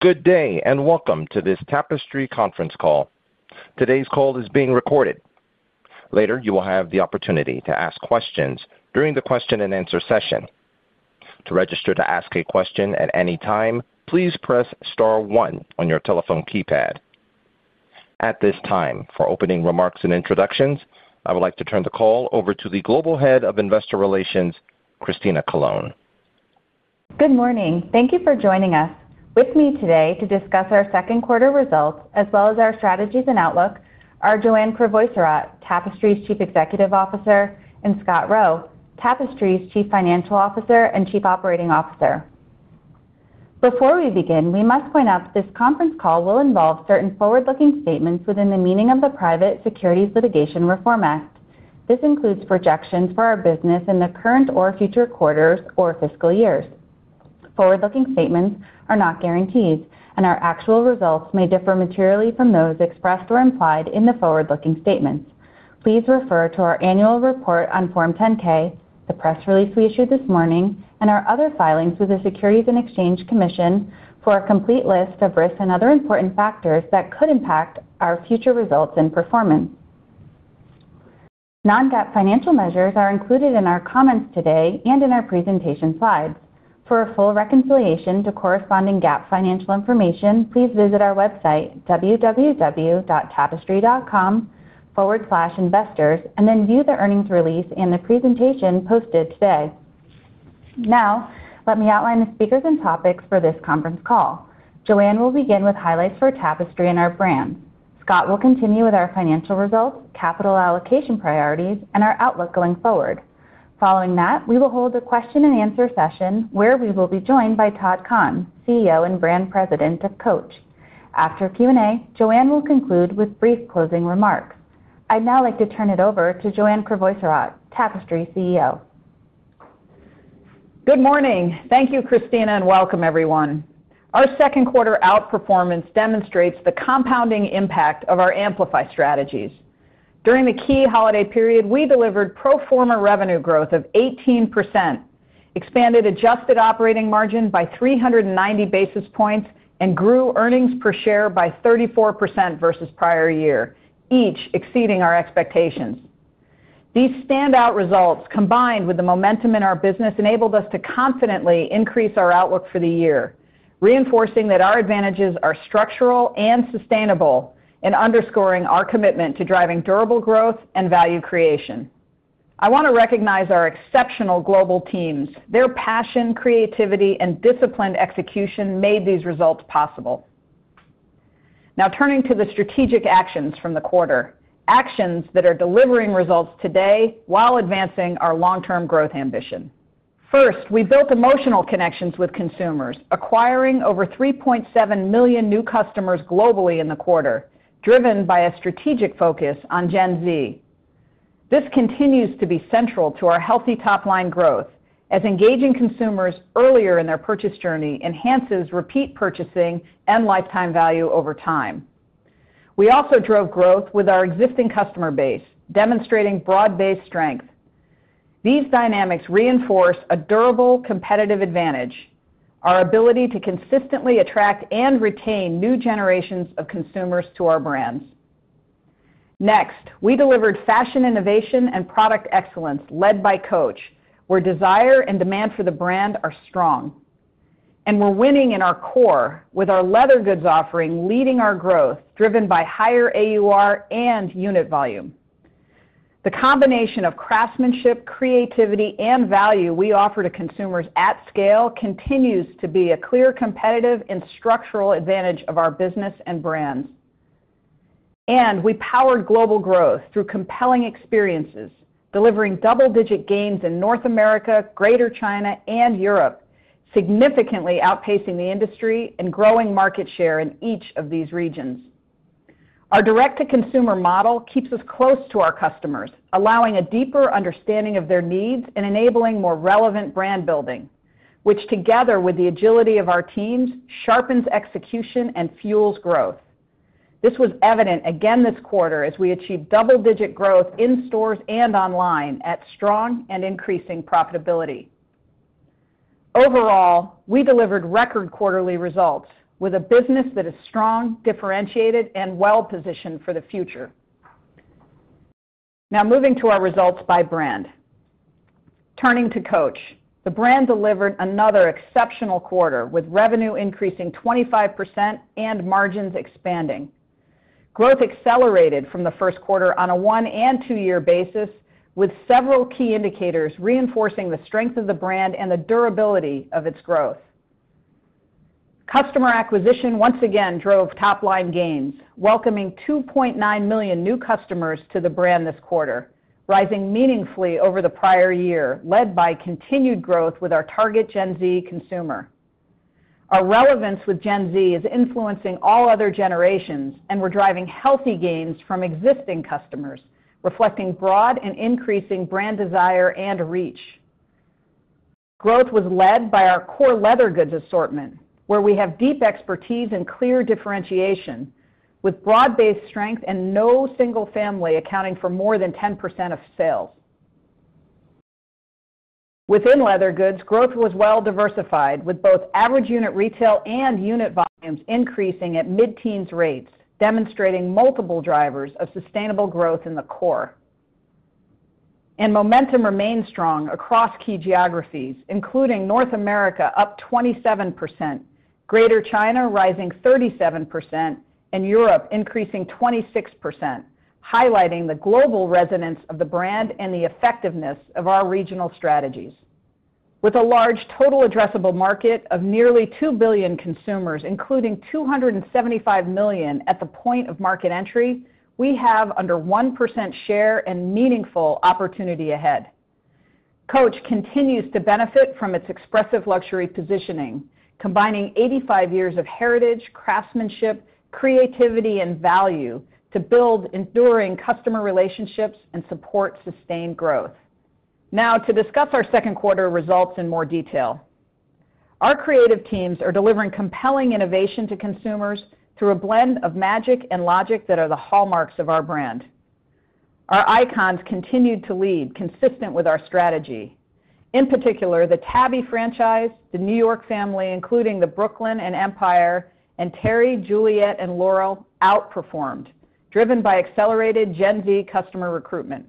Good day, and welcome to this Tapestry conference call. Today's call is being recorded. Later, you will have the opportunity to ask questions during the question-and-answer session. To register to ask a question at any time, please press star one on your telephone keypad. At this time, for opening remarks and introductions, I would like to turn the call over to the Global Head of Investor Relations, Christina Colone. Good morning. Thank you for joining us. With me today to discuss our second quarter results, as well as our strategies and outlook, are Joanne Crevoiserat, Tapestry's Chief Executive Officer, and Scott Roe, Tapestry's Chief Financial Officer and Chief Operating Officer. Before we begin, we must point out this conference call will involve certain forward-looking statements within the meaning of the Private Securities Litigation Reform Act. This includes projections for our business in the current or future quarters or fiscal years. Forward-looking statements are not guarantees, and our actual results may differ materially from those expressed or implied in the forward-looking statements. Please refer to our annual report on Form 10-K, the press release we issued this morning, and our other filings with the Securities and Exchange Commission for a complete list of risks and other important factors that could impact our future results and performance. Non-GAAP financial measures are included in our comments today and in our presentation slides. For a full reconciliation to corresponding GAAP financial information, please visit our website, www.tapestry.com/investors, and then view the earnings release and the presentation posted today. Now, let me outline the speakers and topics for this conference call. Joanne will begin with highlights for Tapestry and our brands. Scott will continue with our financial results, capital allocation priorities, and our outlook going forward. Following that, we will hold a question-and-answer session, where we will be joined by Todd Kahn, CEO and Brand President of Coach. After Q&A, Joanne will conclude with brief closing remarks. I'd now like to turn it over to Joanne Crevoiserat, Tapestry's CEO. Good morning. Thank you, Christina, and welcome, everyone. Our second quarter outperformance demonstrates the compounding impact of our Amplify strategies. During the key holiday period, we delivered pro forma revenue growth of 18%, expanded adjusted operating margin by 390 basis points, and grew earnings per share by 34% versus prior year, each exceeding our expectations. These standout results, combined with the momentum in our business, enabled us to confidently increase our outlook for the year, reinforcing that our advantages are structural and sustainable in underscoring our commitment to driving durable growth and value creation. I want to recognize our exceptional global teams. Their passion, creativity, and disciplined execution made these results possible. Now, turning to the strategic actions from the quarter, actions that are delivering results today while advancing our long-term growth ambition. First, we built emotional connections with consumers, acquiring over 3.7 million new customers globally in the quarter, driven by a strategic focus on Gen Z. This continues to be central to our healthy top-line growth, as engaging consumers earlier in their purchase journey enhances repeat purchasing and lifetime value over time. We also drove growth with our existing customer base, demonstrating broad-based strength. These dynamics reinforce a durable competitive advantage, our ability to consistently attract and retain new generations of consumers to our brands. Next, we delivered fashion innovation and product excellence led by Coach, where desire and demand for the brand are strong. We're winning in our core, with our leather goods offering leading our growth, driven by higher AUR and unit volume. The combination of craftsmanship, creativity, and value we offer to consumers at scale continues to be a clear competitive and structural advantage of our business and brands. We powered global growth through compelling experiences, delivering double-digit gains in North America, Greater China, and Europe, significantly outpacing the industry and growing market share in each of these regions. Our direct-to-consumer model keeps us close to our customers, allowing a deeper understanding of their needs and enabling more relevant brand building, which, together with the agility of our teams, sharpens execution and fuels growth. This was evident again this quarter as we achieved double-digit growth in stores and online at strong and increasing profitability. Overall, we delivered record quarterly results with a business that is strong, differentiated, and well-positioned for the future. Now moving to our results by brand. Turning to Coach, the brand delivered another exceptional quarter, with revenue increasing 25% and margins expanding. Growth accelerated from the first quarter on a one and two year basis, with several key indicators reinforcing the strength of the brand and the durability of its growth. Customer acquisition once again drove top-line gains, welcoming 2.9 million new customers to the brand this quarter, rising meaningfully over the prior year, led by continued growth with our target Gen Z consumer. Our relevance with Gen Z is influencing all other generations, and we're driving healthy gains from existing customers, reflecting broad and increasing brand desire and reach. Growth was led by our core leather goods assortment, where we have deep expertise and clear differentiation, with broad-based strength and no single family accounting for more than 10% of sales.... Within leather goods, growth was well diversified, with both average unit retail and unit volumes increasing at mid-teens rates, demonstrating multiple drivers of sustainable growth in the core. Momentum remained strong across key geographies, including North America, up 27%, Greater China, rising 37%, and Europe increasing 26%, highlighting the global resonance of the brand and the effectiveness of our regional strategies. With a large total addressable market of nearly 2 billion consumers, including 275 million at the point of market entry, we have under 1% share and meaningful opportunity ahead. Coach continues to benefit from its expressive luxury positioning, combining 85 years of heritage, craftsmanship, creativity, and value to build enduring customer relationships and support sustained growth. Now, to discuss our second quarter results in more detail. Our creative teams are delivering compelling innovation to consumers through a blend of magic and logic that are the hallmarks of our brand. Our icons continued to lead, consistent with our strategy. In particular, the Tabby franchise, the New York family, including the Brooklyn and Empire, and Teri, Juliet, and Laurel outperformed, driven by accelerated Gen Z customer recruitment.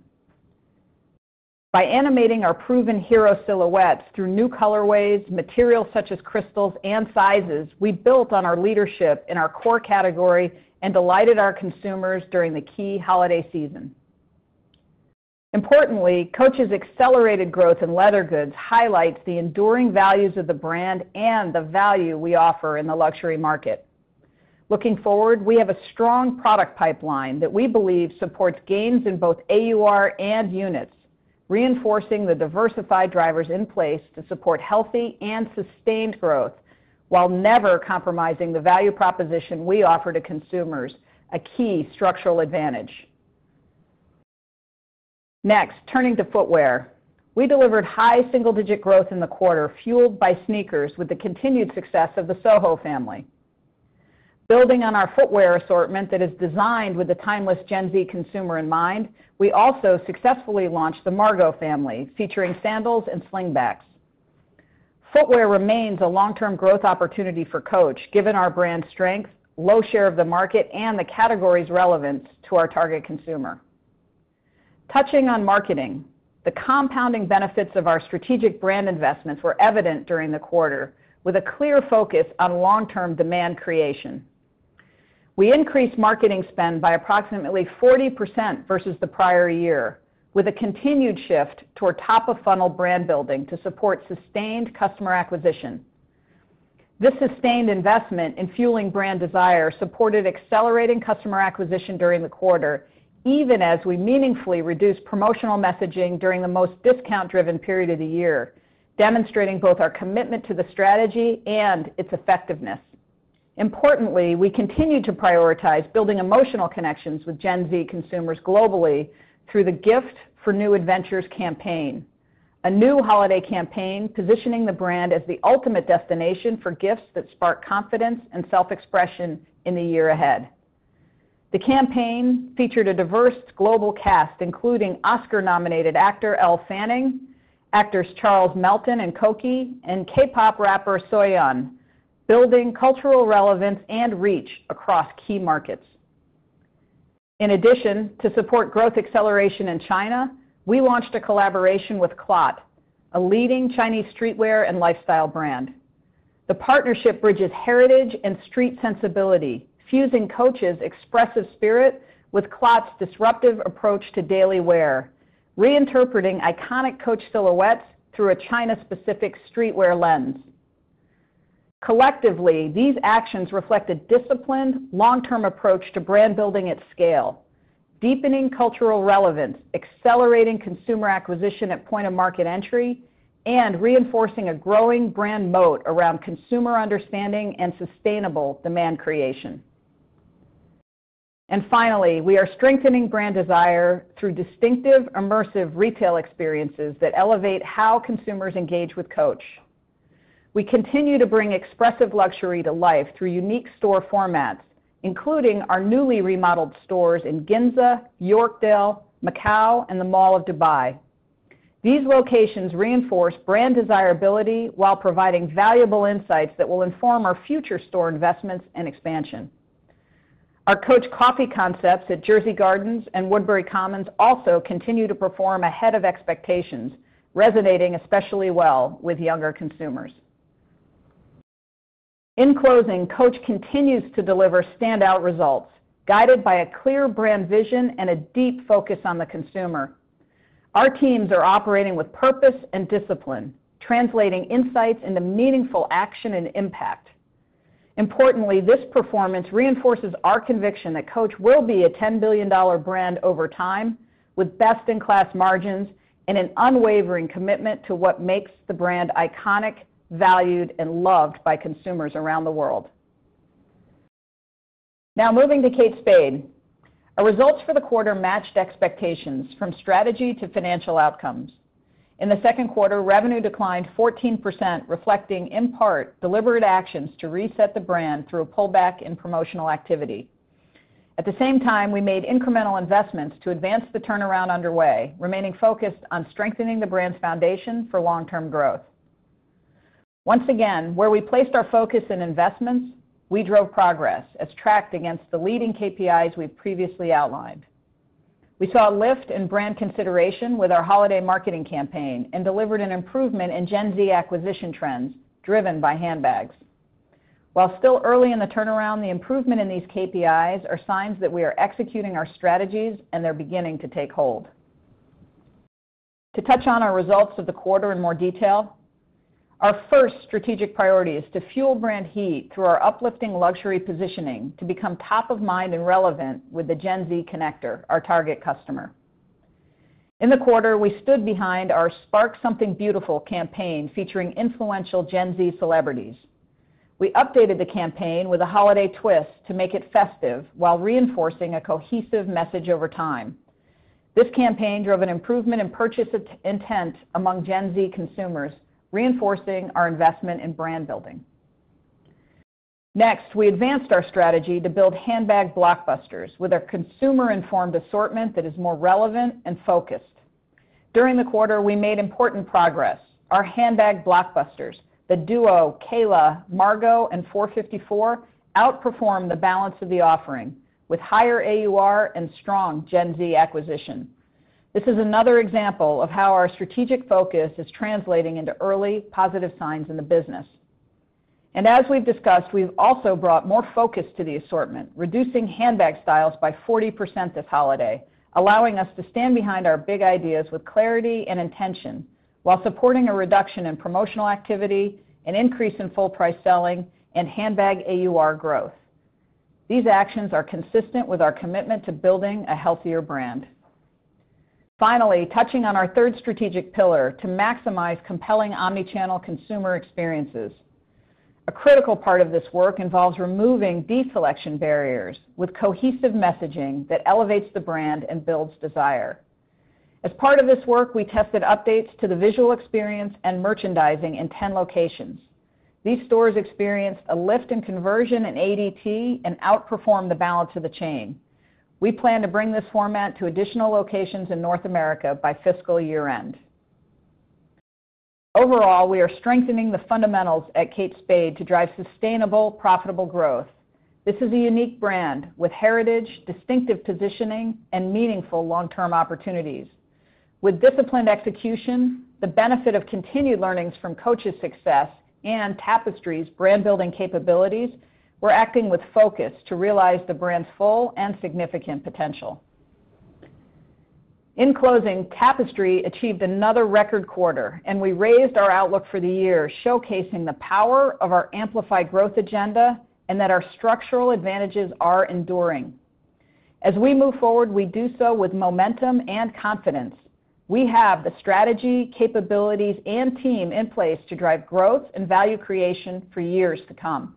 By animating our proven hero silhouettes through new colorways, materials such as crystals and sizes, we built on our leadership in our core category and delighted our consumers during the key holiday season. Importantly, Coach's accelerated growth in leather goods highlights the enduring values of the brand and the value we offer in the luxury market. Looking forward, we have a strong product pipeline that we believe supports gains in both AUR and units, reinforcing the diversified drivers in place to support healthy and sustained growth, while never compromising the value proposition we offer to consumers, a key structural advantage. Next, turning to footwear. We delivered high single-digit growth in the quarter, fueled by sneakers with the continued success of the Soho family. Building on our footwear assortment that is designed with the timeless Gen Z consumer in mind, we also successfully launched the Margot family, featuring sandals and slingbacks. Footwear remains a long-term growth opportunity for Coach, given our brand strength, low share of the market, and the category's relevance to our target consumer. Touching on marketing, the compounding benefits of our strategic brand investments were evident during the quarter, with a clear focus on long-term demand creation. We increased marketing spend by approximately 40% versus the prior year, with a continued shift toward top-of-funnel brand building to support sustained customer acquisition. This sustained investment in fueling brand desire supported accelerating customer acquisition during the quarter, even as we meaningfully reduced promotional messaging during the most discount-driven period of the year, demonstrating both our commitment to the strategy and its effectiveness. Importantly, we continue to prioritize building emotional connections with Gen Z consumers globally through the Gift for New Adventures campaign, a new holiday campaign positioning the brand as the ultimate destination for gifts that spark confidence and self-expression in the year ahead. The campaign featured a diverse global cast, including Oscar-nominated actor Elle Fanning, actors Charles Melton and Kōki, and K-pop rapper Soyeon, building cultural relevance and reach across key markets. In addition, to support growth acceleration in China, we launched a collaboration with CLOT, a leading Chinese streetwear and lifestyle brand. The partnership bridges heritage and street sensibility, fusing Coach's expressive spirit with CLOT's disruptive approach to daily wear, reinterpreting iconic Coach silhouettes through a China-specific streetwear lens. Collectively, these actions reflect a disciplined, long-term approach to brand building at scale, deepening cultural relevance, accelerating consumer acquisition at point of market entry, and reinforcing a growing brand moat around consumer understanding and sustainable demand creation. Finally, we are strengthening brand desire through distinctive, immersive retail experiences that elevate how consumers engage with Coach. We continue to bring expressive luxury to life through unique store formats, including our newly remodeled stores in Ginza, Yorkdale, Macau, and The Dubai Mall. These locations reinforce brand desirability while providing valuable insights that will inform our future store investments and expansion. Our Coach coffee concepts at Jersey Gardens and Woodbury Commons also continue to perform ahead of expectations, resonating especially well with younger consumers. In closing, Coach continues to deliver standout results, guided by a clear brand vision and a deep focus on the consumer. Our teams are operating with purpose and discipline, translating insights into meaningful action and impact. Importantly, this performance reinforces our conviction that Coach will be a 10 billion dollar brand over time, with best-in-class margins and an unwavering commitment to what makes the brand iconic, valued, and loved by consumers around the world. Now, moving to Kate Spade. Our results for the quarter matched expectations, from strategy to financial outcomes. In the second quarter, revenue declined 14%, reflecting, in part, deliberate actions to reset the brand through a pullback in promotional activity. At the same time, we made incremental investments to advance the turnaround underway, remaining focused on strengthening the brand's foundation for long-term growth. Once again, where we placed our focus and investments, we drove progress, as tracked against the leading KPIs we've previously outlined. We saw a lift in brand consideration with our holiday marketing campaign and delivered an improvement in Gen Z acquisition trends, driven by handbags. While still early in the turnaround, the improvement in these KPIs are signs that we are executing our strategies, and they're beginning to take hold. To touch on our results of the quarter in more detail, our first strategic priority is to fuel brand heat through our uplifting luxury positioning to become top of mind and relevant with the Gen Z connector, our target customer. In the quarter, we stood behind our Spark Something Beautiful campaign, featuring influential Gen Z celebrities. We updated the campaign with a holiday twist to make it festive while reinforcing a cohesive message over time. This campaign drove an improvement in purchase intent among Gen Z consumers, reinforcing our investment in brand building. Next, we advanced our strategy to build handbag blockbusters with a consumer-informed assortment that is more relevant and focused. During the quarter, we made important progress. Our handbag blockbusters, the Duo, Kayla, Margot, and 454, outperformed the balance of the offering, with higher AUR and strong Gen Z acquisition. This is another example of how our strategic focus is translating into early positive signs in the business. As we've discussed, we've also brought more focus to the assortment, reducing handbag styles by 40% this holiday, allowing us to stand behind our big ideas with clarity and intention while supporting a reduction in promotional activity, an increase in full price selling, and handbag AUR growth. These actions are consistent with our commitment to building a healthier brand. Finally, touching on our third strategic pillar, to maximize compelling omni-channel consumer experiences. A critical part of this work involves removing deselection barriers with cohesive messaging that elevates the brand and builds desire. As part of this work, we tested updates to the visual experience and merchandising in 10 locations. These stores experienced a lift in conversion and ADT and outperformed the balance of the chain. We plan to bring this format to additional locations in North America by fiscal year-end. Overall, we are strengthening the fundamentals at Kate Spade to drive sustainable, profitable growth. This is a unique brand with heritage, distinctive positioning, and meaningful long-term opportunities. With disciplined execution, the benefit of continued learnings from Coach's success and Tapestry's brand-building capabilities, we're acting with focus to realize the brand's full and significant potential. In closing, Tapestry achieved another record quarter, and we raised our outlook for the year, showcasing the power of our amplified growth agenda and that our structural advantages are enduring. As we move forward, we do so with momentum and confidence. We have the strategy, capabilities, and team in place to drive growth and value creation for years to come.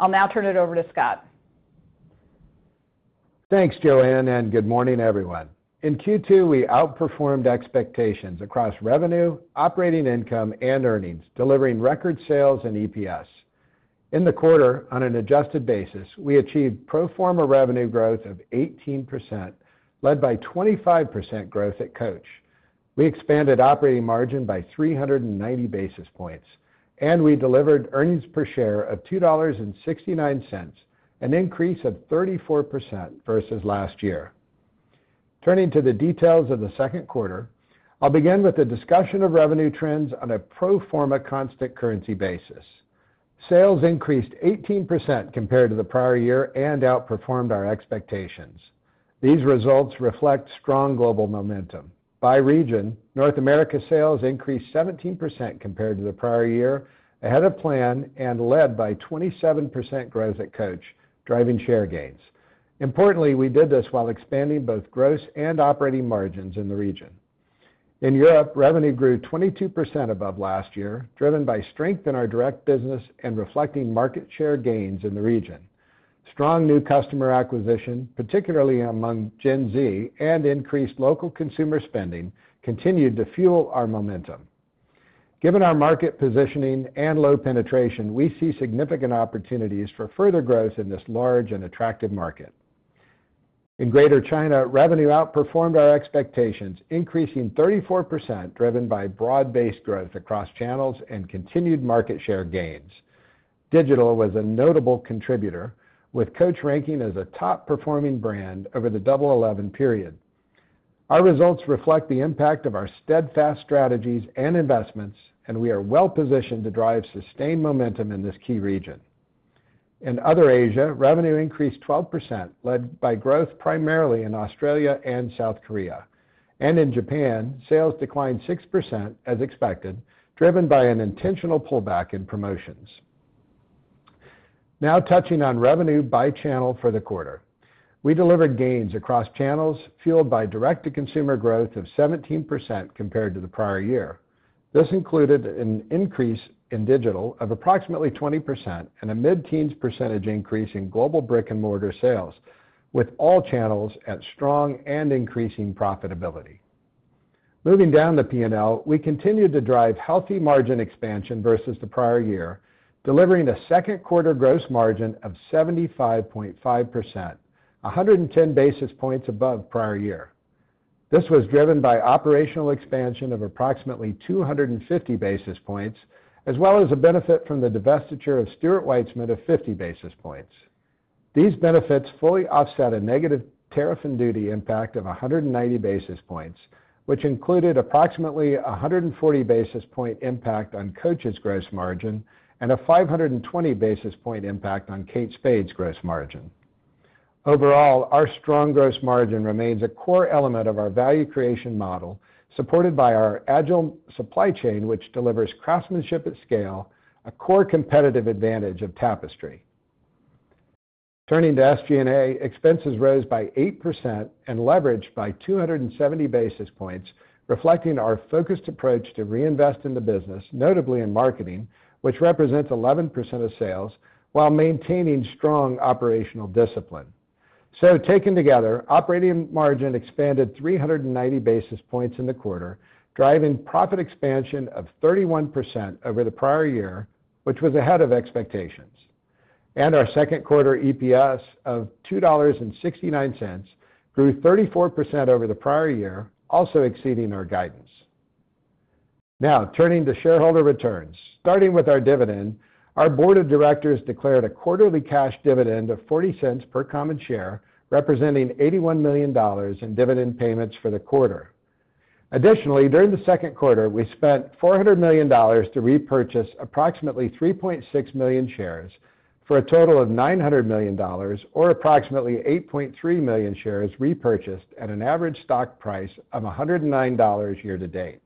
I'll now turn it over to Scott. Thanks, Joanne, and good morning, everyone. In Q2, we outperformed expectations across revenue, operating income, and earnings, delivering record sales and EPS. In the quarter, on an adjusted basis, we achieved pro forma revenue growth of 18%, led by 25% growth at Coach. We expanded operating margin by 390 basis points, and we delivered earnings per share of $2.69, an increase of 34% versus last year. Turning to the details of the second quarter, I'll begin with a discussion of revenue trends on a pro forma constant currency basis. Sales increased 18% compared to the prior year and outperformed our expectations. These results reflect strong global momentum. By region, North America sales increased 17% compared to the prior year, ahead of plan and led by 27% growth at Coach, driving share gains. Importantly, we did this while expanding both gross and operating margins in the region. In Europe, revenue grew 22% above last year, driven by strength in our direct business and reflecting market share gains in the region. Strong new customer acquisition, particularly among Gen Z and increased local consumer spending, continued to fuel our momentum. Given our market positioning and low penetration, we see significant opportunities for further growth in this large and attractive market. In Greater China, revenue outperformed our expectations, increasing 34%, driven by broad-based growth across channels and continued market share gains. Digital was a notable contributor, with Coach ranking as a top-performing brand over the Double 11 period. Our results reflect the impact of our steadfast strategies and investments, and we are well positioned to drive sustained momentum in this key region. In other Asia, revenue increased 12%, led by growth primarily in Australia and South Korea. In Japan, sales declined 6%, as expected, driven by an intentional pullback in promotions. Now touching on revenue by channel for the quarter. We delivered gains across channels, fueled by direct-to-consumer growth of 17% compared to the prior year. This included an increase in digital of approximately 20% and a mid-teens % increase in global brick-and-mortar sales, with all channels at strong and increasing profitability.... Moving down the P&L, we continued to drive healthy margin expansion versus the prior year, delivering a second quarter gross margin of 75.5%, 110 basis points above prior year. This was driven by operational expansion of approximately 250 basis points, as well as a benefit from the divestiture of Stuart Weitzman of 50 basis points. These benefits fully offset a negative tariff and duty impact of 190 basis points, which included approximately 140 basis point impact on Coach's gross margin and a 520 basis point impact on Kate Spade's gross margin. Overall, our strong gross margin remains a core element of our value creation model, supported by our agile supply chain, which delivers craftsmanship at scale, a core competitive advantage of Tapestry. Turning to SG&A, expenses rose by 8% and leveraged by 270 basis points, reflecting our focused approach to reinvest in the business, notably in marketing, which represents 11% of sales, while maintaining strong operational discipline. So taken together, operating margin expanded 390 basis points in the quarter, driving profit expansion of 31% over the prior year, which was ahead of expectations. Our second quarter EPS of $2.69 grew 34% over the prior year, also exceeding our guidance. Now, turning to shareholder returns. Starting with our dividend, our board of directors declared a quarterly cash dividend of $0.40 per common share, representing $81 million in dividend payments for the quarter. Additionally, during the second quarter, we spent $400 million to repurchase approximately 3.6 million shares for a total of $900 million, or approximately 8.3 million shares repurchased at an average stock price of $109 year to date.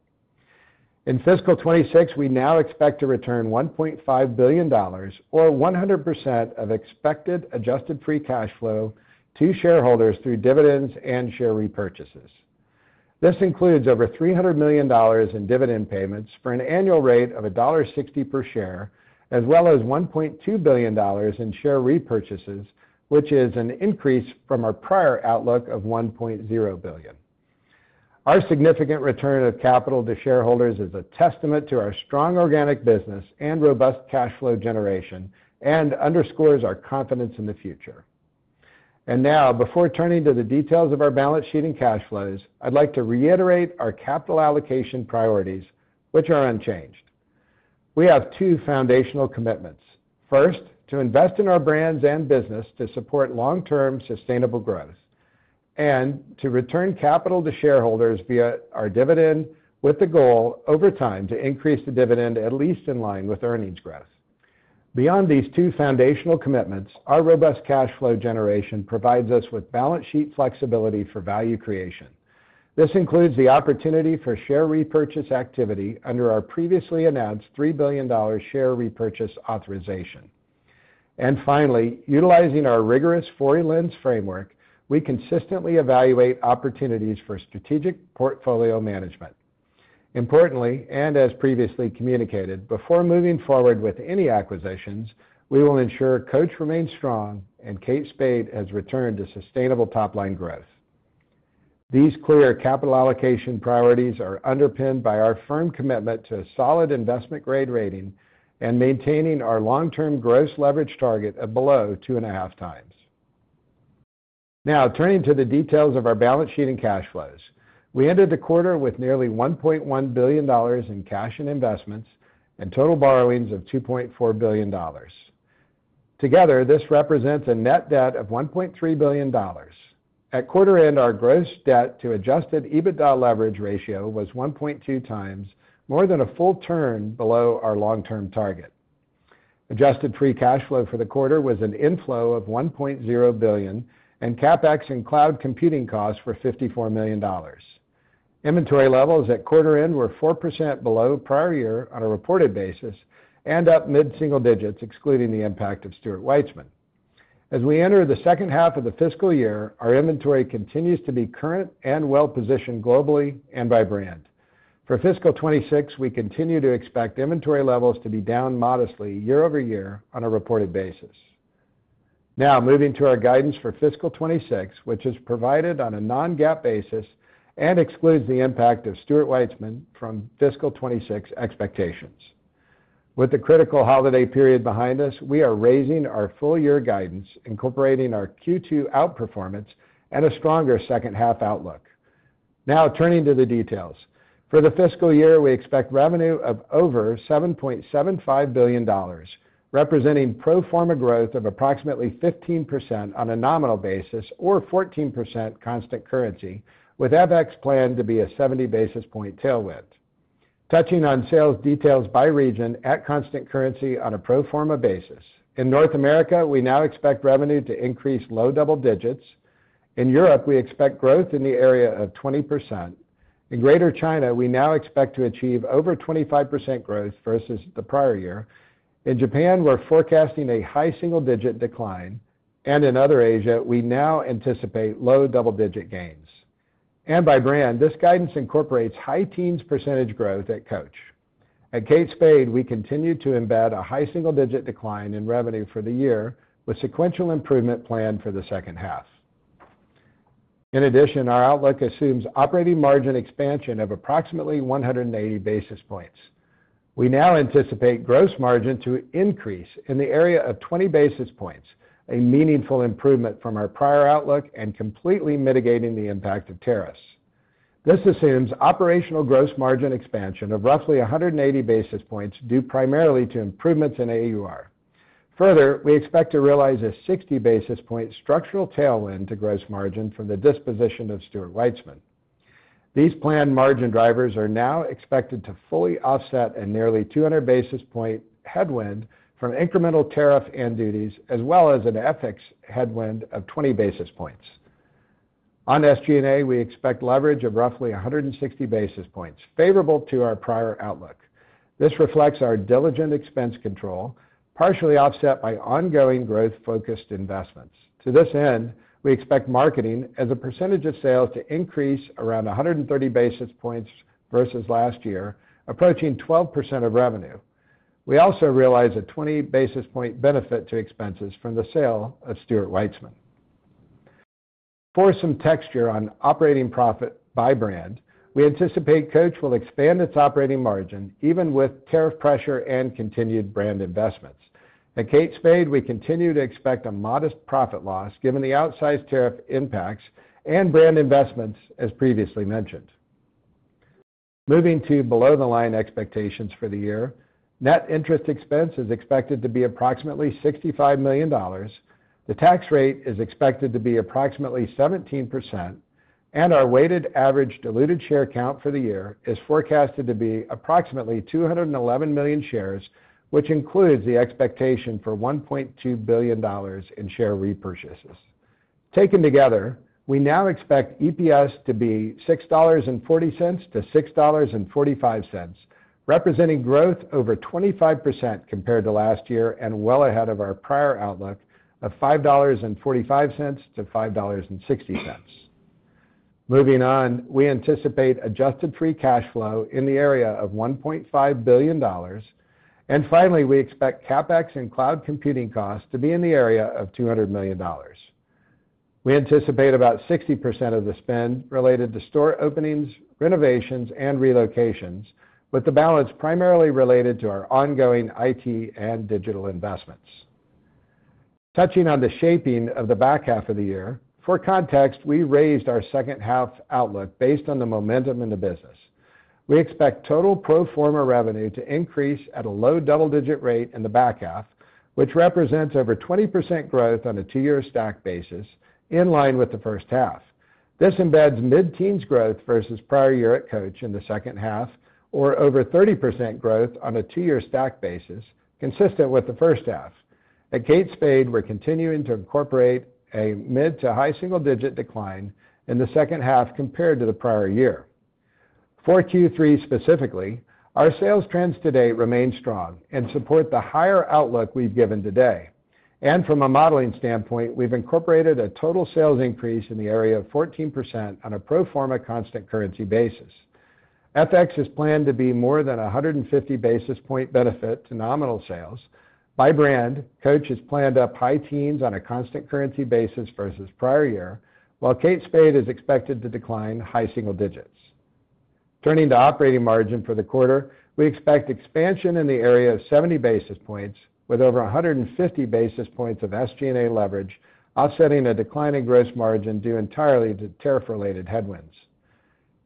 In fiscal 2026, we now expect to return $1.5 billion, or 100% of expected adjusted free cash flow, to shareholders through dividends and share repurchases. This includes over $300 million in dividend payments for an annual rate of $1.60 per share, as well as $1.2 billion in share repurchases, which is an increase from our prior outlook of $1.0 billion. Our significant return of capital to shareholders is a testament to our strong organic business and robust cash flow generation and underscores our confidence in the future. And now, before turning to the details of our balance sheet and cash flows, I'd like to reiterate our capital allocation priorities, which are unchanged. We have two foundational commitments. First, to invest in our brands and business to support long-term, sustainable growth, and to return capital to shareholders via our dividend, with the goal, over time, to increase the dividend at least in line with earnings growth. Beyond these two foundational commitments, our robust cash flow generation provides us with balance sheet flexibility for value creation. This includes the opportunity for share repurchase activity under our previously announced $3 billion share repurchase authorization. And finally, utilizing our rigorous Four Lenses framework, we consistently evaluate opportunities for strategic portfolio management. Importantly, and as previously communicated, before moving forward with any acquisitions, we will ensure Coach remains strong and Kate Spade has returned to sustainable top-line growth. These clear capital allocation priorities are underpinned by our firm commitment to a solid investment grade rating and maintaining our long-term gross leverage target of below 2.5x. Now, turning to the details of our balance sheet and cash flows. We ended the quarter with nearly $1.1 billion in cash and investments, and total borrowings of $2.4 billion. Together, this represents a net debt of $1.3 billion. At quarter end, our gross debt to adjusted EBITDA leverage ratio was 1.2 times more than a full turn below our long-term target. Adjusted free cash flow for the quarter was an inflow of $1.0 billion, and CapEx and cloud computing costs were $54 million. Inventory levels at quarter end were 4% below prior year on a reported basis, and up mid-single digits, excluding the impact of Stuart Weitzman. As we enter the second half of the fiscal year, our inventory continues to be current and well-positioned globally and by brand. For fiscal 2026, we continue to expect inventory levels to be down modestly year-over-year on a reported basis. Now, moving to our guidance for fiscal 2026, which is provided on a Non-GAAP basis and excludes the impact of Stuart Weitzman from fiscal 2026 expectations. With the critical holiday period behind us, we are raising our full year guidance, incorporating our Q2 outperformance and a stronger second half outlook. Now, turning to the details. For the fiscal year, we expect revenue of over $7.75 billion, representing pro forma growth of approximately 15% on a nominal basis or 14% constant currency, with FX planned to be a 70 basis point tailwind. Touching on sales details by region at constant currency on a pro forma basis, in North America, we now expect revenue to increase low double digits. In Europe, we expect growth in the area of 20%. In Greater China, we now expect to achieve over 25% growth versus the prior year. In Japan, we're forecasting a high single-digit decline, and in Other Asia, we now anticipate low double-digit gains. By brand, this guidance incorporates high teens % growth at Coach. At Kate Spade, we continue to embed a high single-digit decline in revenue for the year, with sequential improvement planned for the second half. In addition, our outlook assumes operating margin expansion of approximately 180 basis points. We now anticipate gross margin to increase in the area of 20 basis points, a meaningful improvement from our prior outlook and completely mitigating the impact of tariffs. This assumes operational gross margin expansion of roughly 180 basis points, due primarily to improvements in AUR. Further, we expect to realize a 60 basis points structural tailwind to gross margin from the disposition of Stuart Weitzman. These planned margin drivers are now expected to fully offset a nearly 200 basis points headwind from incremental tariffs and duties, as well as an FX headwind of 20 basis points. On SG&A, we expect leverage of roughly 160 basis points, favorable to our prior outlook. This reflects our diligent expense control, partially offset by ongoing growth-focused investments. To this end, we expect marketing as a percentage of sales to increase around 130 basis points versus last year, approaching 12% of revenue. We also realize a 20 basis points benefit to expenses from the sale of Stuart Weitzman. For some texture on operating profit by brand, we anticipate Coach will expand its operating margin even with tariff pressure and continued brand investments. At Kate Spade, we continue to expect a modest profit loss, given the outsized tariff impacts and brand investments, as previously mentioned. Moving to below-the-line expectations for the year, net interest expense is expected to be approximately $65 million. The tax rate is expected to be approximately 17%, and our weighted average diluted share count for the year is forecasted to be approximately 211 million shares, which includes the expectation for $1.2 billion in share repurchases. Taken together, we now expect EPS to be $6.40-$6.45, representing growth over 25% compared to last year and well ahead of our prior outlook of $5.45-$5.60. Moving on, we anticipate adjusted free cash flow in the area of $1.5 billion. Finally, we expect CapEx and cloud computing costs to be in the area of $200 million. We anticipate about 60% of the spend related to store openings, renovations, and relocations, with the balance primarily related to our ongoing IT and digital investments. Touching on the shaping of the back half of the year, for context, we raised our second half outlook based on the momentum in the business. We expect total pro forma revenue to increase at a low double-digit rate in the back half, which represents over 20% growth on a two-year stack basis, in line with the first half. This embeds mid-teens growth versus prior year at Coach in the second half, or over 30% growth on a two-year stack basis, consistent with the first half. At Kate Spade, we're continuing to incorporate a mid- to high single-digit decline in the second half compared to the prior year. For Q3 specifically, our sales trends to date remain strong and support the higher outlook we've given today. From a modeling standpoint, we've incorporated a total sales increase in the area of 14% on a pro forma constant currency basis. FX is planned to be more than 150 basis points benefit to nominal sales. By brand, Coach is planned up high teens on a constant currency basis versus prior year, while Kate Spade is expected to decline high single digits. Turning to operating margin for the quarter, we expect expansion in the area of 70 basis points, with over 150 basis points of SG&A leverage, offsetting a decline in gross margin due entirely to tariff-related headwinds.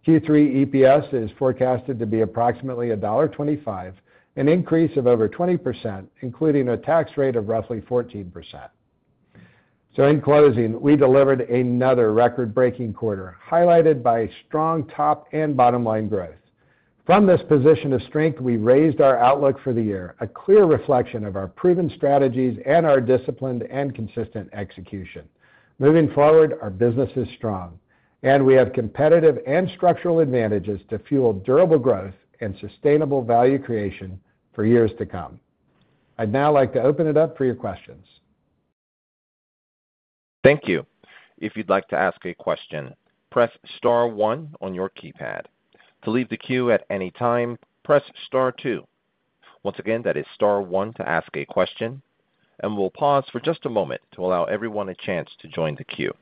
Q3 EPS is forecasted to be approximately $1.25, an increase of over 20%, including a tax rate of roughly 14%. So in closing, we delivered another record-breaking quarter, highlighted by strong top and bottom line growth. From this position of strength, we raised our outlook for the year, a clear reflection of our proven strategies and our disciplined and consistent execution. Moving forward, our business is strong, and we have competitive and structural advantages to fuel durable growth and sustainable value creation for years to come. I'd now like to open it up for your questions. Thank you. If you'd like to ask a question, press star one on your keypad. To leave the queue at any time, press star two. Once again, that is star one to ask a question, and we'll pause for just a moment to allow everyone a chance to join the queue.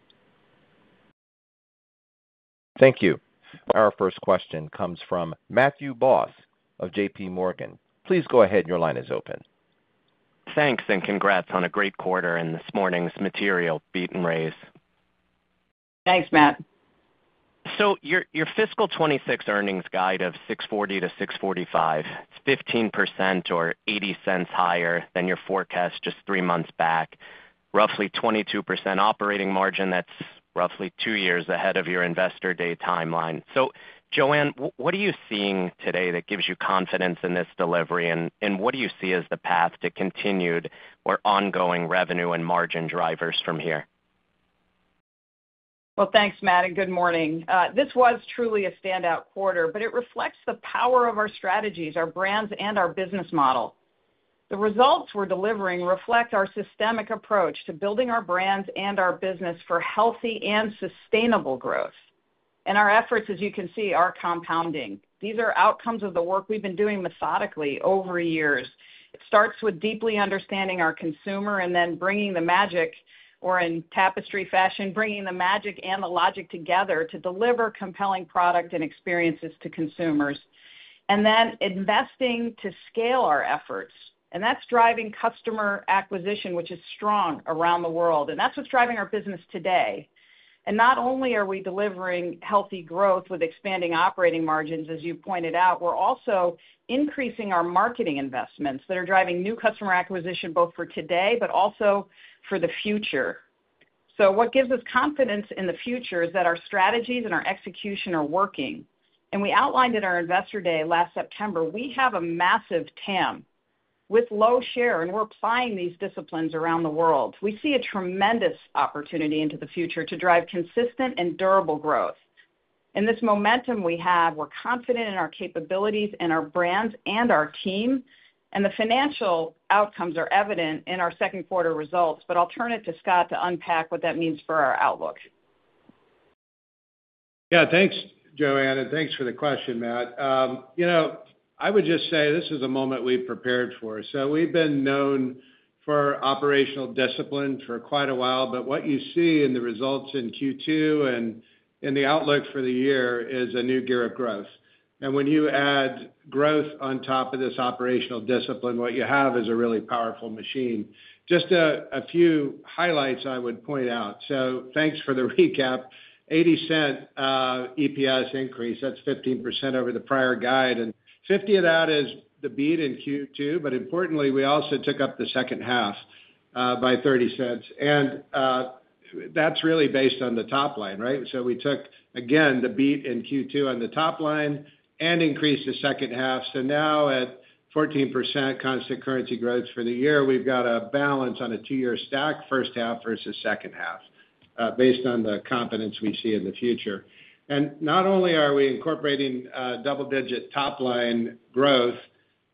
Thank you. Our first question comes from Matthew Boss of JPMorgan. Please go ahead. Your line is open. Thanks, and congrats on a great quarter and this morning's material beat and raise. Thanks, Matt. So your fiscal 2026 earnings guide of $6.40-$6.45, it's 15% or $0.80 higher than your forecast just three months back, roughly 22% operating margin, that's roughly two years ahead of your Investor Day timeline. So Joanne, what are you seeing today that gives you confidence in this delivery? And what do you see as the path to continued or ongoing revenue and margin drivers from here? Well, thanks, Matt, and good morning. This was truly a standout quarter, but it reflects the power of our strategies, our brands, and our business model. ...The results we're delivering reflect our systematic approach to building our brands and our business for healthy and sustainable growth. Our efforts, as you can see, are compounding. These are outcomes of the work we've been doing methodically over years. It starts with deeply understanding our consumer and then bringing the magic, or in Tapestry fashion, bringing the magic and the logic together to deliver compelling product and experiences to consumers, and then investing to scale our efforts. That's driving customer acquisition, which is strong around the world, and that's what's driving our business today. Not only are we delivering healthy growth with expanding operating margins, as you pointed out, we're also increasing our marketing investments that are driving new customer acquisition, both for today, but also for the future. What gives us confidence in the future is that our strategies and our execution are working. We outlined in our Investor Day last September, we have a massive TAM with low share, and we're applying these disciplines around the world. We see a tremendous opportunity into the future to drive consistent and durable growth. In this momentum we have, we're confident in our capabilities and our brands and our team, and the financial outcomes are evident in our second quarter results, but I'll turn it to Scott to unpack what that means for our outlook. Yeah, thanks, Joanne, and thanks for the question, Matt. You know, I would just say this is a moment we've prepared for. So we've been known for operational discipline for quite a while, but what you see in the results in Q2 and in the outlook for the year is a new gear of growth. And when you add growth on top of this operational discipline, what you have is a really powerful machine. Just a few highlights I would point out. So thanks for the recap. $0.80 EPS increase, that's 15% over the prior guide, and 50 of that is the beat in Q2. But importantly, we also took up the second half by $0.30. And that's really based on the top line, right? So we took, again, the beat in Q2 on the top line and increased the second half. So now at 14% constant currency growth for the year, we've got a balance on a two-year stack, first half versus second half, based on the confidence we see in the future. And not only are we incorporating double-digit top line growth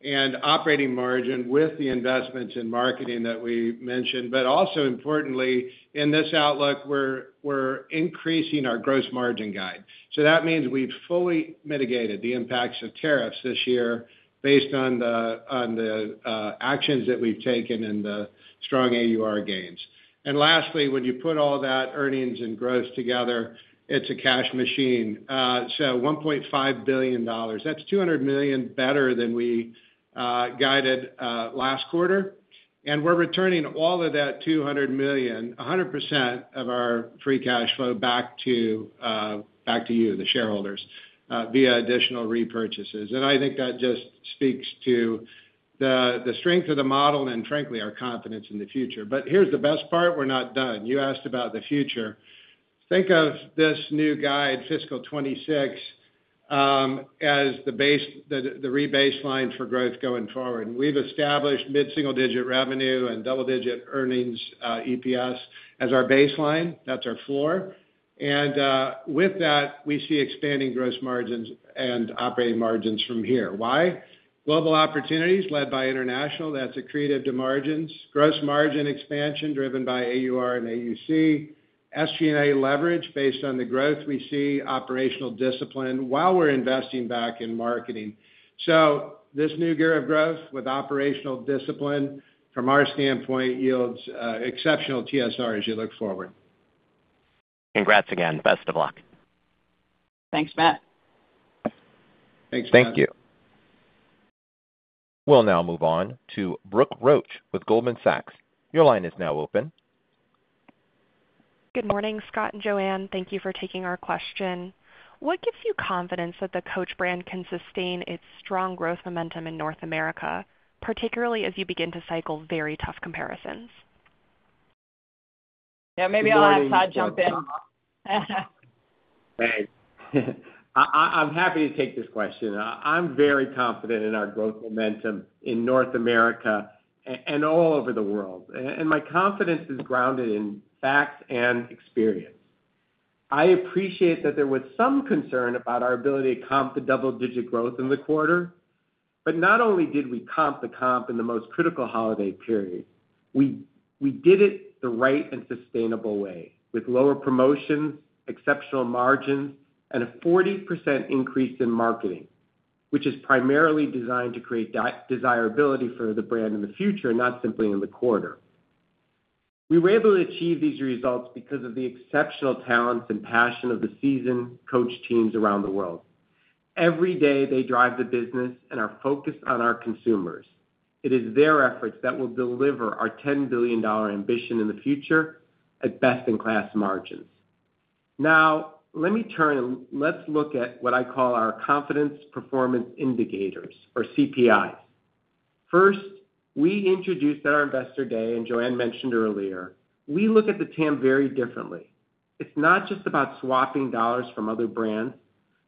and operating margin with the investments in marketing that we mentioned, but also importantly, in this outlook, we're increasing our gross margin guide. So that means we've fully mitigated the impacts of tariffs this year based on the actions that we've taken and the strong AUR gains. And lastly, when you put all that earnings and growth together, it's a cash machine. So $1.5 billion, that's $200 million better than we guided last quarter, and we're returning all of that $200 million, 100% of our free cash flow, back to you, the shareholders, via additional repurchases. And I think that just speaks to the strength of the model and frankly, our confidence in the future. But here's the best part: We're not done. You asked about the future. Think of this new guide, fiscal 2026, as the base, the re-baseline for growth going forward. We've established mid-single-digit revenue and double-digit earnings, EPS, as our baseline. That's our floor. And with that, we see expanding gross margins and operating margins from here. Why? Global opportunities led by international. That's accretive to margins. Gross margin expansion, driven by AUR and AUC. SG&A leverage based on the growth we see, operational discipline while we're investing back in marketing. So this new gear of growth with operational discipline, from our standpoint, yields exceptional TSR as you look forward. Congrats again. Best of luck. Thanks, Matt. Thanks, Matt. Thank you. We'll now move on to Brooke Roach with Goldman Sachs. Your line is now open. Good morning, Scott and Joanne. Thank you for taking our question. What gives you confidence that the Coach brand can sustain its strong growth momentum in North America, particularly as you begin to cycle very tough comparisons? Yeah, maybe I'll have Todd jump in. Thanks. I'm happy to take this question. I'm very confident in our growth momentum in North America and all over the world, and my confidence is grounded in facts and experience. I appreciate that there was some concern about our ability to comp the double-digit growth in the quarter, but not only did we comp the comp in the most critical holiday period, we did it the right and sustainable way, with lower promotions, exceptional margins, and a 40% increase in marketing, which is primarily designed to create desirability for the brand in the future, not simply in the quarter. We were able to achieve these results because of the exceptional talents and passion of the seasoned Coach teams around the world. Every day, they drive the business and are focused on our consumers. It is their efforts that will deliver our $10 billion ambition in the future at best-in-class margins. Now, let me turn... Let's look at what I call our confidence performance indicators, or CPIs. First, we introduced at our Investor Day, and Joanne mentioned earlier, we look at the TAM very differently. It's not just about swapping dollars from other brands,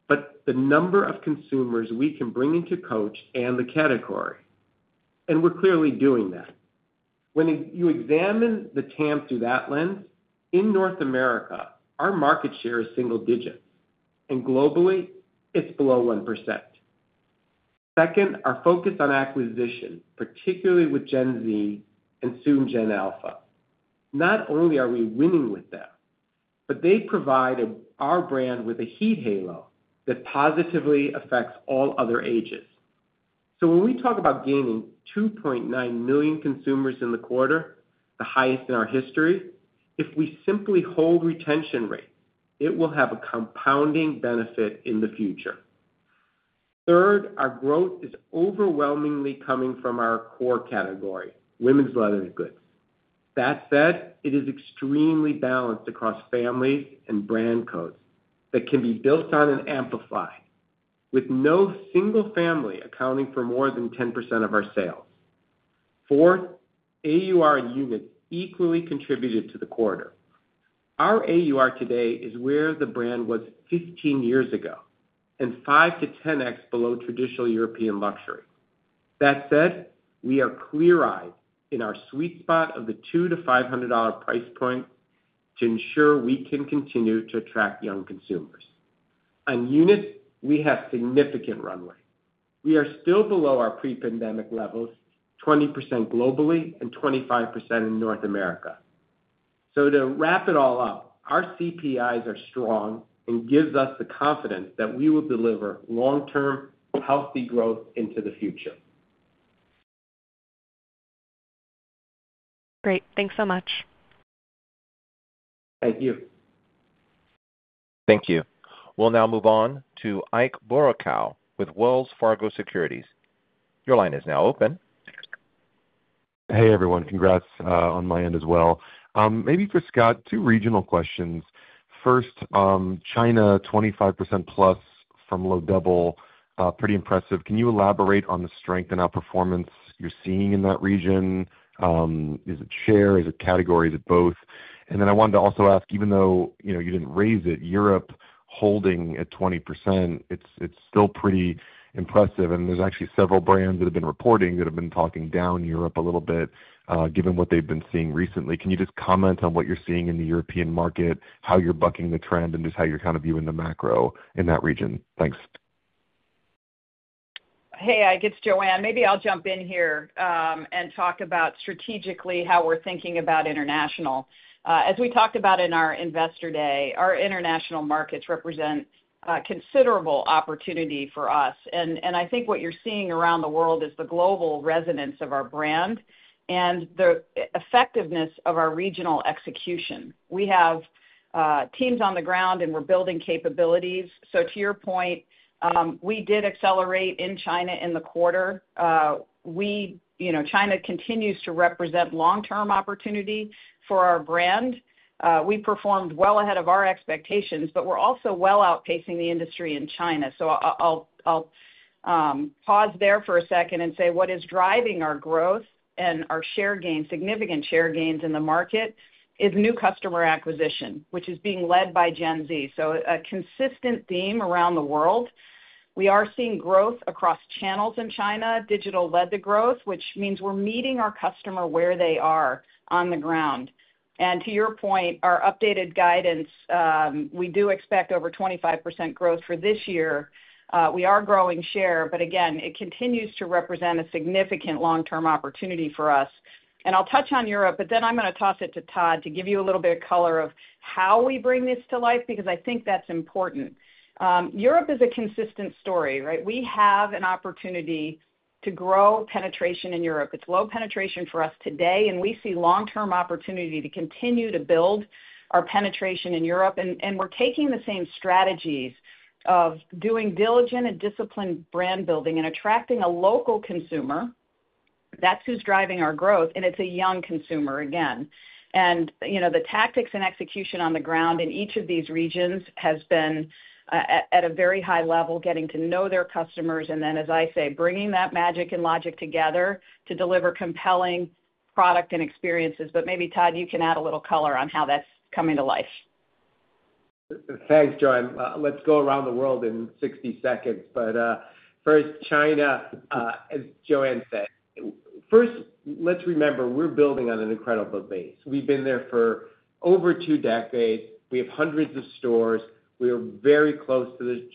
but the number of consumers we can bring into Coach and the category, and we're clearly doing that.... When you examine the TAM through that lens, in North America, our market share is single digits, and globally, it's below 1%. Second, our focus on acquisition, particularly with Gen Z and soon Gen Alpha. Not only are we winning with them, but they provide our brand with a heat halo that positively affects all other ages. So when we talk about gaining 2.9 million consumers in the quarter, the highest in our history, if we simply hold retention rates, it will have a compounding benefit in the future. Third, our growth is overwhelmingly coming from our core category, women's leather goods. That said, it is extremely balanced across families and brand codes that can be built on and amplified, with no single family accounting for more than 10% of our sales. Fourth, AUR and units equally contributed to the quarter. Our AUR today is where the brand was 15 years ago and 5-10x below traditional European luxury. That said, we are clear-eyed in our sweet spot of the $200-$500 price point to ensure we can continue to attract young consumers. On units, we have significant runway. We are still below our pre-pandemic levels, 20% globally and 25% in North America. To wrap it all up, our CPIs are strong and gives us the confidence that we will deliver long-term healthy growth into the future. Great. Thanks so much. Thank you. Thank you. We'll now move on to Ike Boruchow with Wells Fargo Securities. Your line is now open. Hey, everyone. Congrats on my end as well. Maybe for Scott, two regional questions. First, China, 25%+ from low double, pretty impressive. Can you elaborate on the strength and outperformance you're seeing in that region? Is it share, is it category, is it both? And then I wanted to also ask, even though, you know, you didn't raise it, Europe holding at 20%, it's still pretty impressive. And there's actually several brands that have been reporting that have been talking down Europe a little bit, given what they've been seeing recently. Can you just comment on what you're seeing in the European market, how you're bucking the trend and just how you're kind of viewing the macro in that region? Thanks. Hey, Ike, it's Joanne. Maybe I'll jump in here, and talk about strategically how we're thinking about international. As we talked about in our Investor Day, our international markets represent considerable opportunity for us. And I think what you're seeing around the world is the global resonance of our brand and the effectiveness of our regional execution. We have teams on the ground, and we're building capabilities. So to your point, we did accelerate in China in the quarter. We, you know, China continues to represent long-term opportunity for our brand. We performed well ahead of our expectations, but we're also well outpacing the industry in China. So I'll pause there for a second and say, what is driving our growth and our share gains, significant share gains in the market, is new customer acquisition, which is being led by Gen Z. So a consistent theme around the world. We are seeing growth across channels in China. Digital led the growth, which means we're meeting our customer where they are on the ground. And to your point, our updated guidance, we do expect over 25% growth for this year. We are growing share, but again, it continues to represent a significant long-term opportunity for us. And I'll touch on Europe, but then I'm going to toss it to Todd to give you a little bit of color of how we bring this to life, because I think that's important. Europe is a consistent story, right? We have an opportunity to grow penetration in Europe. It's low penetration for us today, and we see long-term opportunity to continue to build our penetration in Europe. And we're taking the same strategies of doing diligent and disciplined brand building and attracting a local consumer. That's who's driving our growth, and it's a young consumer, again. And, you know, the tactics and execution on the ground in each of these regions has been at a very high level, getting to know their customers, and then, as I say, bringing that magic and logic together to deliver compelling product and experiences. But maybe, Todd, you can add a little color on how that's coming to life. Thanks, Joanne. Let's go around the world in 60 seconds. But first, China, as Joanne said. First, let's remember, we're building on an incredible base. We've been there for over two decades. We have hundreds of stores. We are very close to the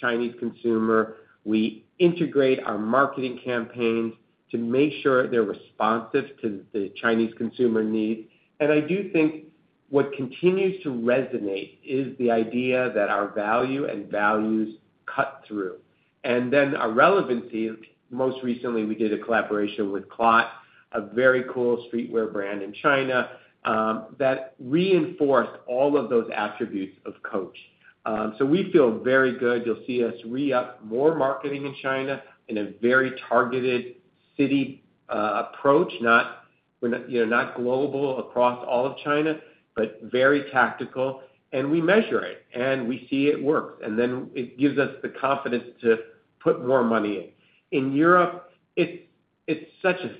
Chinese consumer. We integrate our marketing campaigns to make sure they're responsive to the Chinese consumer needs. And I do think what continues to resonate is the idea that our value and values cut through. And then our relevancy, most recently, we did a collaboration with CLOT, a very cool streetwear brand in China, that reinforced all of those attributes of Coach. So we feel very good. You'll see us re-up more marketing in China in a very targeted city approach, not, you know, not global across all of China, but very tactical. We measure it, and we see it work, and then it gives us the confidence to put more money in. In Europe, it's such a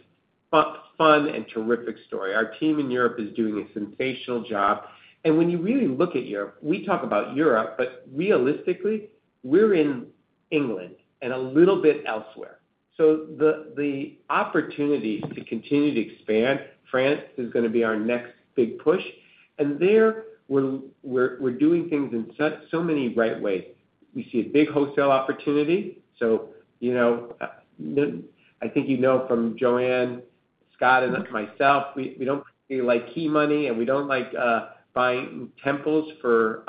fun and terrific story. Our team in Europe is doing a sensational job. When you really look at Europe, we talk about Europe, but realistically, we're in England and a little bit elsewhere. So the opportunity to continue to expand, France is going to be our next big push. And there, we're doing things in so many right ways. We see a big wholesale opportunity. So, you know, I think you know from Joanne, Scott, and myself, we don't really like key money, and we don't like buying tenancies for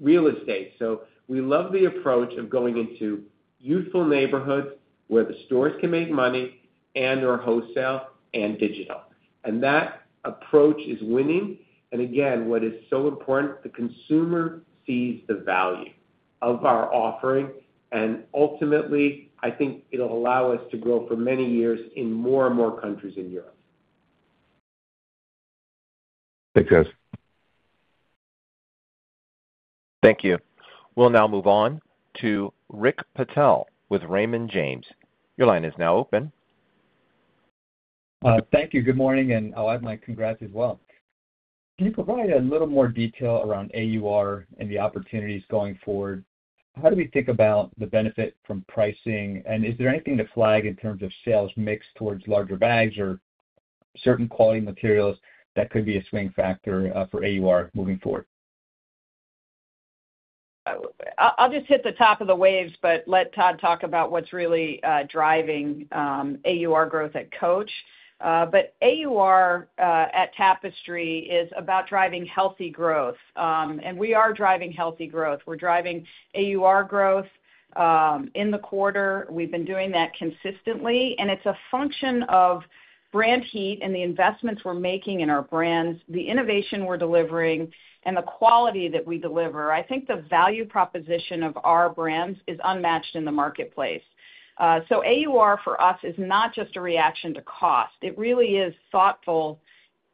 real estate. So we love the approach of going into youthful neighborhoods where the stores can make money and or wholesale and digital. That approach is winning. Again, what is so important, the consumer sees the value of our offering, and ultimately, I think it'll allow us to grow for many years in more and more countries in Europe. Thanks, guys. Thank you. We'll now move on to Rick Patel with Raymond James. Your line is now open. Thank you. Good morning, and I'll add my congrats as well. Can you provide a little more detail around AUR and the opportunities going forward? How do we think about the benefit from pricing, and is there anything to flag in terms of sales mix towards larger bags or certain quality materials that could be a swing factor, for AUR moving forward? I'll just hit the top of the waves, but let Todd talk about what's really driving AUR growth at Coach. But AUR at Tapestry is about driving healthy growth. And we are driving healthy growth. We're driving AUR growth in the quarter. We've been doing that consistently, and it's a function of brand heat and the investments we're making in our brands, the innovation we're delivering, and the quality that we deliver. I think the value proposition of our brands is unmatched in the marketplace. So AUR for us is not just a reaction to cost. It really is thoughtful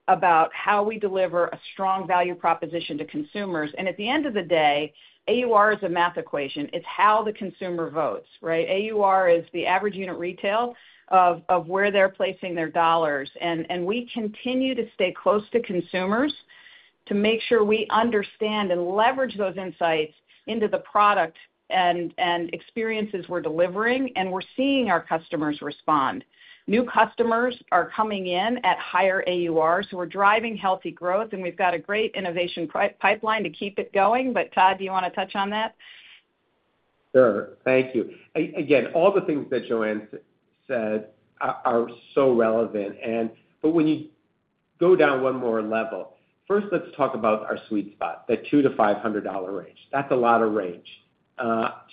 about how we deliver a strong value proposition to consumers. And at the end of the day, AUR is a math equation. It's how the consumer votes, right? AUR is the average unit retail of where they're placing their dollars. And we continue to stay close to consumers to make sure we understand and leverage those insights into the product and experiences we're delivering, and we're seeing our customers respond. New customers are coming in at higher AURs, so we're driving healthy growth, and we've got a great innovation pipeline to keep it going. But Todd, do you want to touch on that? Sure. Thank you. Again, all the things that Joanne said are so relevant. But when you go down one more level, first, let's talk about our sweet spot, that $200-$500 range. That's a lot of range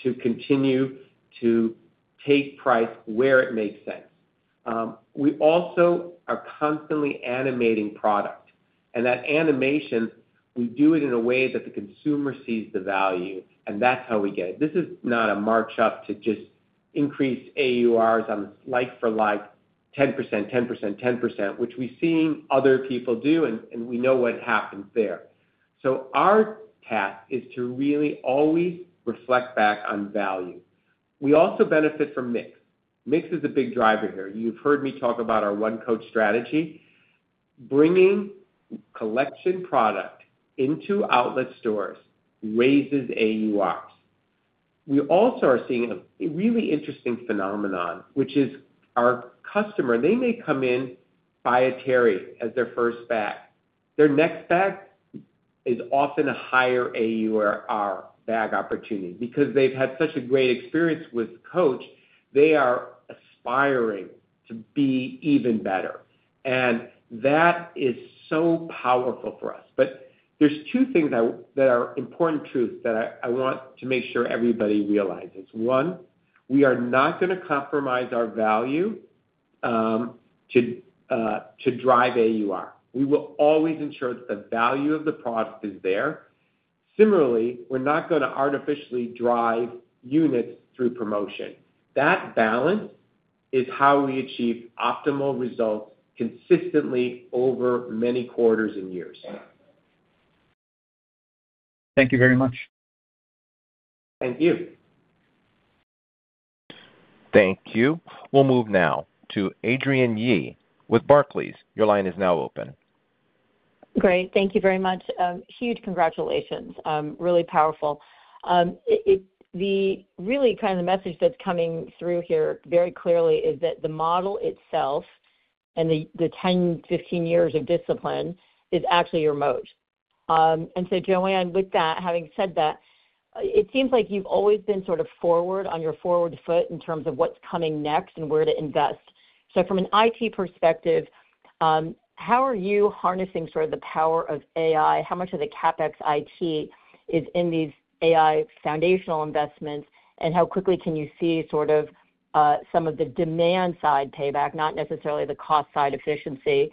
to continue to take price where it makes sense. We also are constantly animating product, and that animation, we do it in a way that the consumer sees the value, and that's how we get it. This is not a march up to just increase AURs on like-for-like, 10%, 10%, 10%, which we've seen other people do, and we know what happens there. So our task is to really always reflect back on value. We also benefit from mix. Mix is a big driver here. You've heard me talk about our one Coach strategy. Bringing collection product into outlet stores raises AURs. We also are seeing a really interesting phenomenon, which is our customer, they may come in, buy a Teri as their first bag. Their next bag is often a higher AUR bag opportunity. Because they've had such a great experience with Coach, they are aspiring to be even better, and that is so powerful for us. But there's two things that are important truths that I want to make sure everybody realizes. One, we are not going to compromise our value to drive AUR. We will always ensure that the value of the product is there. Similarly, we're not going to artificially drive units through promotion. That balance is how we achieve optimal results consistently over many quarters and years. Thank you very much. Thank you. Thank you. We'll move now to Adrienne Yih with Barclays. Your line is now open. Great. Thank you very much. Huge congratulations. Really powerful. The really kind of the message that's coming through here very clearly is that the model itself and the 10, 15 years of discipline is actually your moat. And so Joanne, with that, having said that, it seems like you've always been sort of forward on your forward foot in terms of what's coming next and where to invest. So from an IT perspective, how are you harnessing sort of the power of AI? How much of the CapEx IT is in these AI foundational investments, and how quickly can you see sort of some of the demand side payback, not necessarily the cost side efficiency?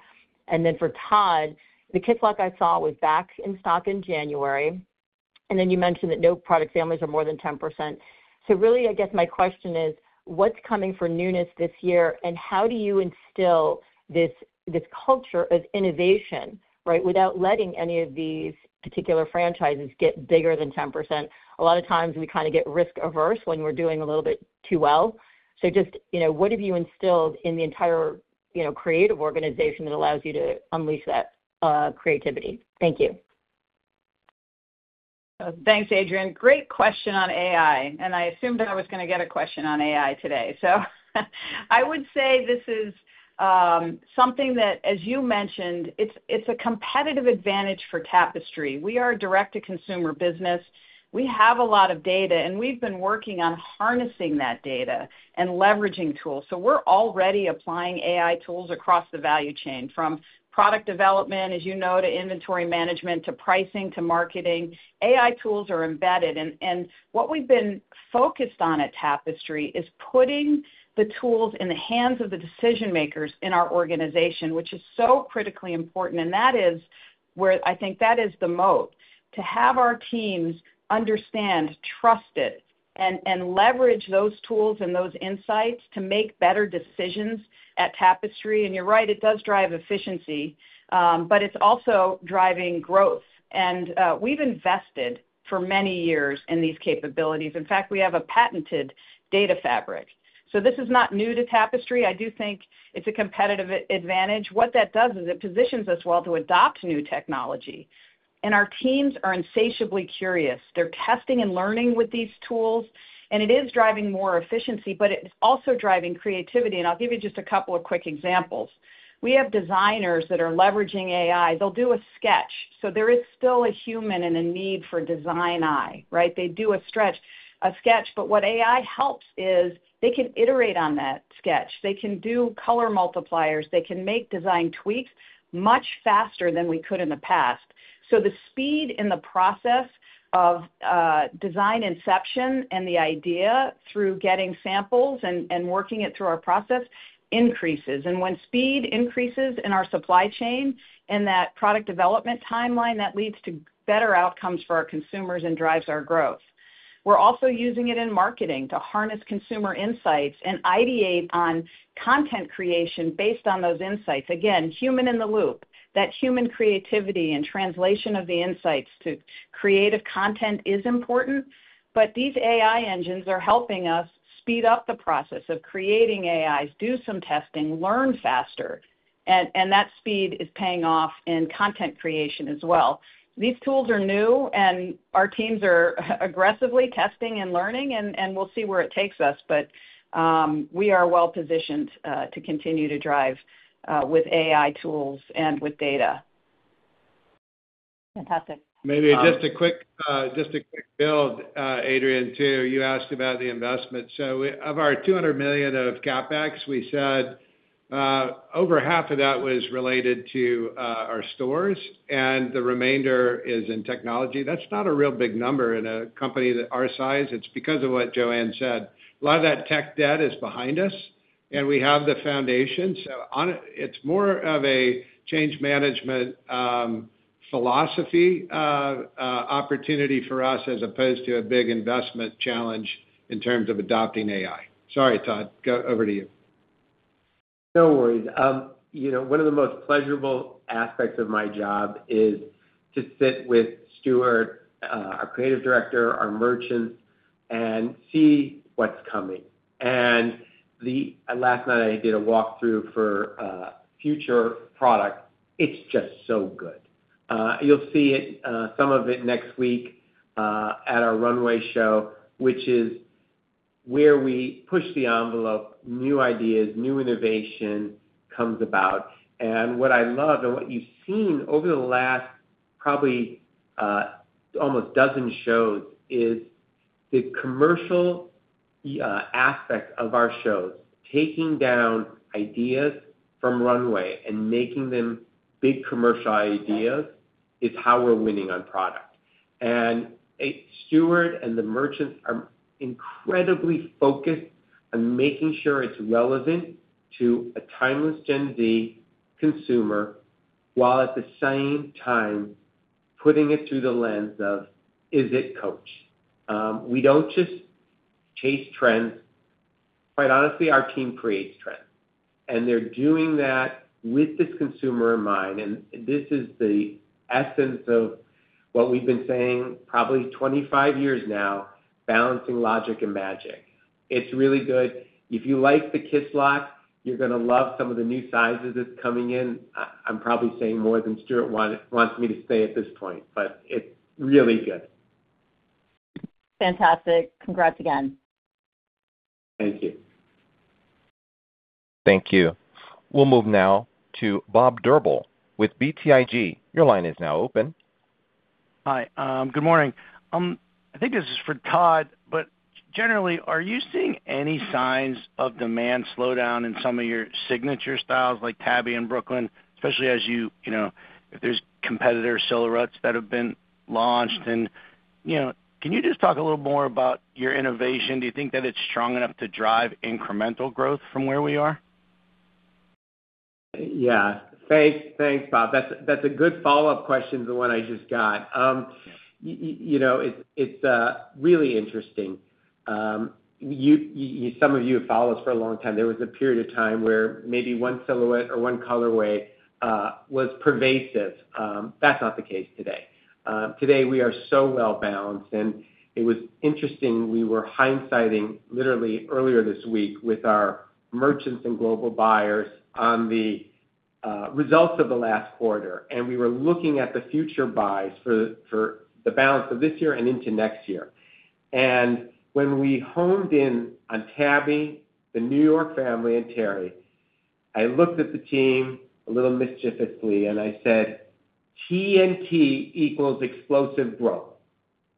And then for Todd, the KissLock I saw was back in stock in January, and then you mentioned that no product families are more than 10%. So really, I guess my question is, what's coming for newness this year, and how do you instill this culture of innovation, right, without letting any of these particular franchises get bigger than 10%? A lot of times we kind of get risk averse when we're doing a little bit too well. So just, you know, what have you instilled in the entire, you know, creative organization that allows you to unleash that creativity? Thank you. Thanks, Adrienne. Great question on AI, and I assumed I was going to get a question on AI today. So I would say this is something that, as you mentioned, it's a competitive advantage for Tapestry. We are a direct-to-consumer business. We have a lot of data, and we've been working on harnessing that data and leveraging tools. So we're already applying AI tools across the value chain, from product development, as you know, to inventory management, to pricing, to marketing. AI tools are embedded, and what we've been focused on at Tapestry is putting the tools in the hands of the decision-makers in our organization, which is so critically important. And that is where I think that is the moat, to have our teams understand, trust it, and leverage those tools and those insights to make better decisions at Tapestry. And you're right, it does drive efficiency, but it's also driving growth. And, we've invested for many years in these capabilities. In fact, we have a patented data fabric. So this is not new to Tapestry. I do think it's a competitive advantage. What that does is it positions us well to adopt new technology. And our teams are insatiably curious. They're testing and learning with these tools, and it is driving more efficiency, but it's also driving creativity. And I'll give you just a couple of quick examples. We have designers that are leveraging AI. They'll do a sketch. So there is still a human and a need for design eye, right? They do a sketch, but what AI helps is they can iterate on that sketch. They can do color multipliers, they can make design tweaks much faster than we could in the past. So the speed in the process of design inception and the idea through getting samples and working it through our process increases. And when speed increases in our supply chain and that product development timeline, that leads to better outcomes for our consumers and drives our growth. We're also using it in marketing to harness consumer insights and ideate on content creation based on those insights. Again, human in the loop. That human creativity and translation of the insights to creative content is important, but these AI engines are helping us speed up the process of creating AIs, do some testing, learn faster, and that speed is paying off in content creation as well. These tools are new, and our teams are aggressively testing and learning, and we'll see where it takes us. But we are well positioned to continue to drive with AI tools and with data. Fantastic. Maybe just a quick, just a quick build, Adrienne, too. You asked about the investment. So, of our $200 million of CapEx, we said, over half of that was related to our stores, and the remainder is in technology. That's not a real big number in a company that our size. It's because of what Joanne said. A lot of that tech debt is behind us, and we have the foundation. So, it's more of a change management philosophy opportunity for us, as opposed to a big investment challenge in terms of adopting AI. Sorry, Todd. Go over to you. No worries. You know, one of the most pleasurable aspects of my job is to sit with Stuart, our creative director, our merchants, and see what's coming. And last night, I did a walkthrough for future product. It's just so good. You'll see it, some of it next week, at our runway show, which is where we push the envelope. New ideas, new innovation comes about. And what I love and what you've seen over the last, probably, almost dozen shows, is the commercial aspect of our shows. Taking down ideas from runway and making them big commercial ideas is how we're winning on product. And Stuart and the merchants are incredibly focused on making sure it's relevant to a timeless Gen Z consumer, while at the same time, putting it through the lens of: Is it Coach? We don't just chase trends. Quite honestly, our team creates trends, and they're doing that with this consumer in mind. And this is the essence of what we've been saying probably 25 years now, balancing logic and magic. It's really good. If you like the Kisslock, you're going to love some of the new sizes that's coming in. I'm probably saying more than Stuart wants me to say at this point, but it's really good. Fantastic. Congrats again. Thank you. Thank you. We'll move now to Bob Drbul with BTIG. Your line is now open. Hi, good morning. I think this is for Todd, but generally, are you seeing any signs of demand slowdown in some of your signature styles like Tabby and Brooklyn, especially as you—you know, if there's competitor silhouettes that have been launched? And, you know, can you just talk a little more about your innovation? Do you think that it's strong enough to drive incremental growth from where we are? Yeah. Thanks, thanks, Bob. That's, that's a good follow-up question to the one I just got. You know, it's, it's really interesting. Some of you have followed us for a long time. There was a period of time where maybe one silhouette or one colorway was pervasive. That's not the case today. Today, we are so well-balanced, and it was interesting, we were hindsighting literally earlier this week with our merchants and global buyers on the results of the last quarter, and we were looking at the future buys for the balance of this year and into next year. When we honed in on Tabby, the New York family, and Teri, I looked at the team a little mischievously, and I said, "TNT equals explosive growth."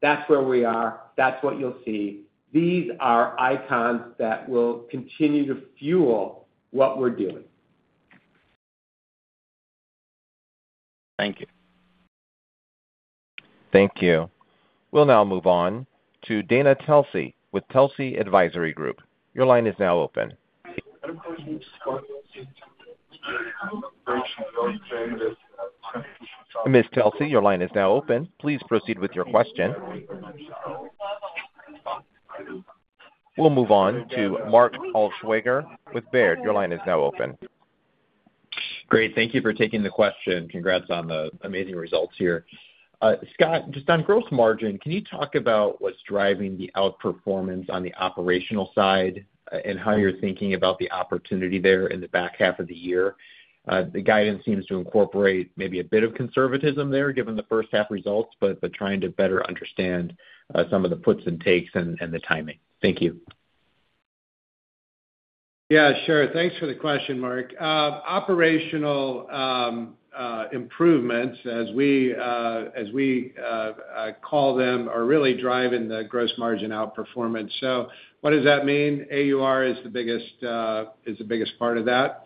That's where we are. That's what you'll see. These are icons that will continue to fuel what we're doing. Thank you. Thank you. We'll now move on to Dana Telsey with Telsey Advisory Group. Your line is now open. Ms. Telsey, your line is now open. Please proceed with your question. We'll move on to Mark Altschwager with Baird. Your line is now open. Great. Thank you for taking the question. Congrats on the amazing results here. Scott, just on gross margin, can you talk about what's driving the outperformance on the operational side, and how you're thinking about the opportunity there in the back half of the year? The guidance seems to incorporate maybe a bit of conservatism there, given the first half results, but trying to better understand some of the puts and takes and the timing. Thank you. Yeah, sure. Thanks for the question, Mark. Operational improvements, as we call them, are really driving the gross margin outperformance. So what does that mean? AUR is the biggest part of that.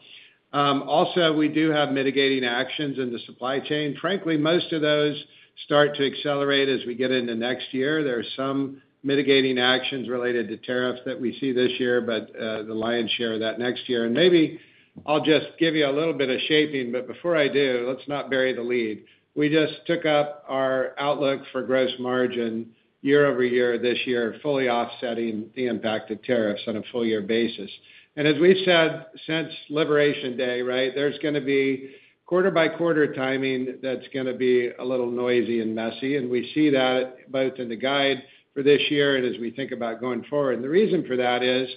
Also, we do have mitigating actions in the supply chain. Frankly, most of those start to accelerate as we get into next year. There are some mitigating actions related to tariffs that we see this year, but the lion's share that next year. And maybe I'll just give you a little bit of shaping, but before I do, let's not bury the lead. We just took up our outlook for gross margin year-over-year this year, fully offsetting the impact of tariffs on a full year basis. As we've said since Liberation Day, right, there's gonna be quarter by quarter timing that's gonna be a little noisy and messy, and we see that both in the guide for this year and as we think about going forward. And the reason for that is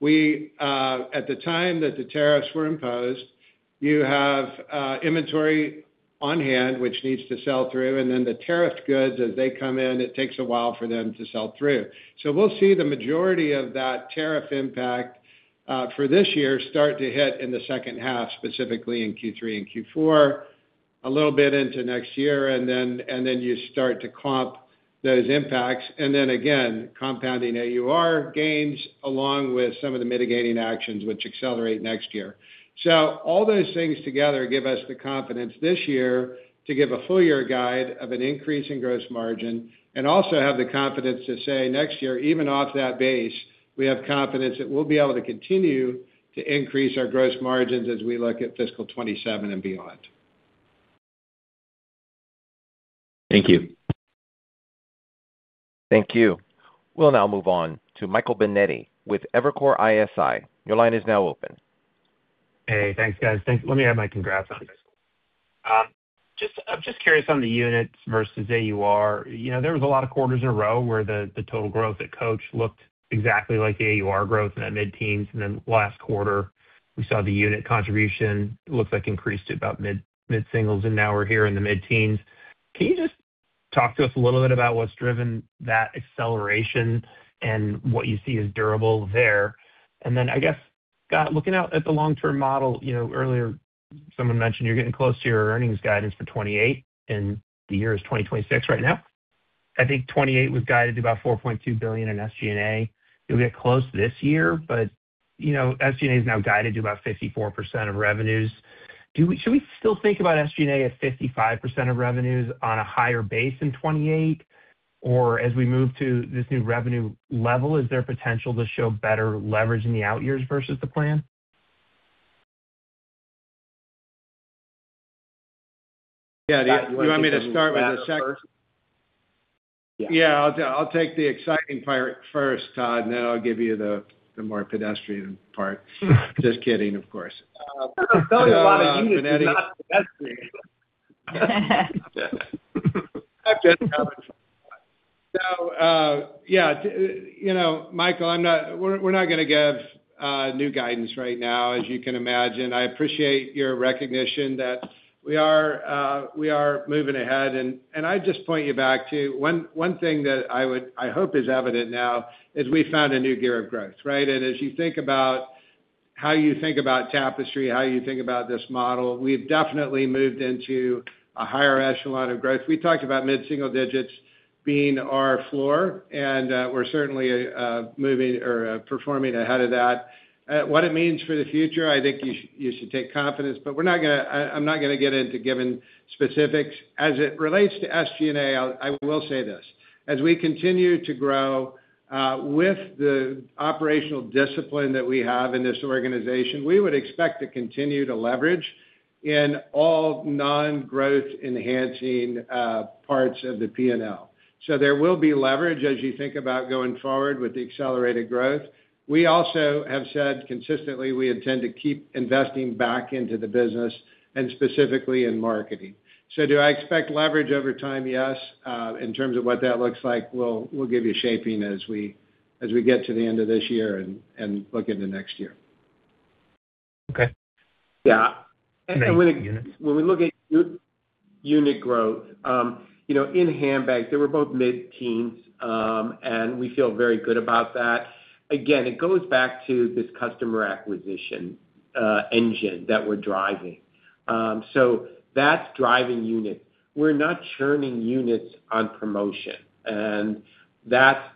we at the time that the tariffs were imposed, you have inventory on hand, which needs to sell through, and then the tariffed goods, as they come in, it takes a while for them to sell through. So we'll see the majority of that tariff impact for this year start to hit in the second half, specifically in Q3 and Q4, a little bit into next year, and then, and then you start to comp those impacts, and then again, compounding AUR gains, along with some of the mitigating actions which accelerate next year. So all those things together give us the confidence this year to give a full year guide of an increase in gross margin and also have the confidence to say, next year, even off that base, we have confidence that we'll be able to continue to increase our gross margins as we look at fiscal 2027 and beyond. Thank you. Thank you. We'll now move on to Michael Binetti with Evercore ISI. Your line is now open. Hey, thanks, guys. Let me add my congrats on this. Just, I'm just curious on the units versus AUR. You know, there was a lot of quarters in a row where the total growth at Coach looked exactly like the AUR growth in that mid-teens, and then last quarter, we saw the unit contribution looks like increased to about mid-singles, and now we're here in the mid-teens. Can you just talk to us a little bit about what's driven that acceleration and what you see as durable there? And then, I guess, Scott, looking out at the long-term model, you know, earlier someone mentioned you're getting close to your earnings guidance for 2028, and the year is 2026 right now. I think 2028 was guided to about $4.2 billion in SG&A. You'll get close this year, but, you know, SG&A is now guided to about 54% of revenues. Should we still think about SG&A at 55% of revenues on a higher base in 2028? Or as we move to this new revenue level, is there potential to show better leverage in the outyears versus the plan? Yeah, do you want me to start with the second? Yeah. Yeah, I'll, I'll take the exciting part first, Todd, and then I'll give you the, the more pedestrian part. Just kidding, of course. Thought about you, it's not pedestrian. So, yeah, you know, Michael, I'm not—we're, we're not gonna give new guidance right now, as you can imagine. I appreciate your recognition that we are, we are moving ahead, and, and I just point you back to one, one thing that I would—I hope is evident now, is we found a new gear of growth, right? And as you think about how you think about Tapestry, how you think about this model, we've definitely moved into a higher echelon of growth. We talked about mid-single digits being our floor, and, we're certainly, moving or, performing ahead of that. What it means for the future, I think you should take confidence, but we're not gonna... I'm not gonna get into giving specifics. As it relates to SG&A, I'll say this: As we continue to grow with the operational discipline that we have in this organization, we would expect to continue to leverage in all non-growth enhancing parts of the P&L. So there will be leverage, as you think about going forward with the accelerated growth. We also have said consistently, we intend to keep investing back into the business and specifically in marketing. So do I expect leverage over time? Yes. In terms of what that looks like, we'll give you shaping as we get to the end of this year and look into next year.... Okay. Yeah, and when we, when we look at unit growth, you know, in handbags, they were both mid-teens, and we feel very good about that. Again, it goes back to this customer acquisition engine that we're driving. So that's driving units. We're not churning units on promotion, and that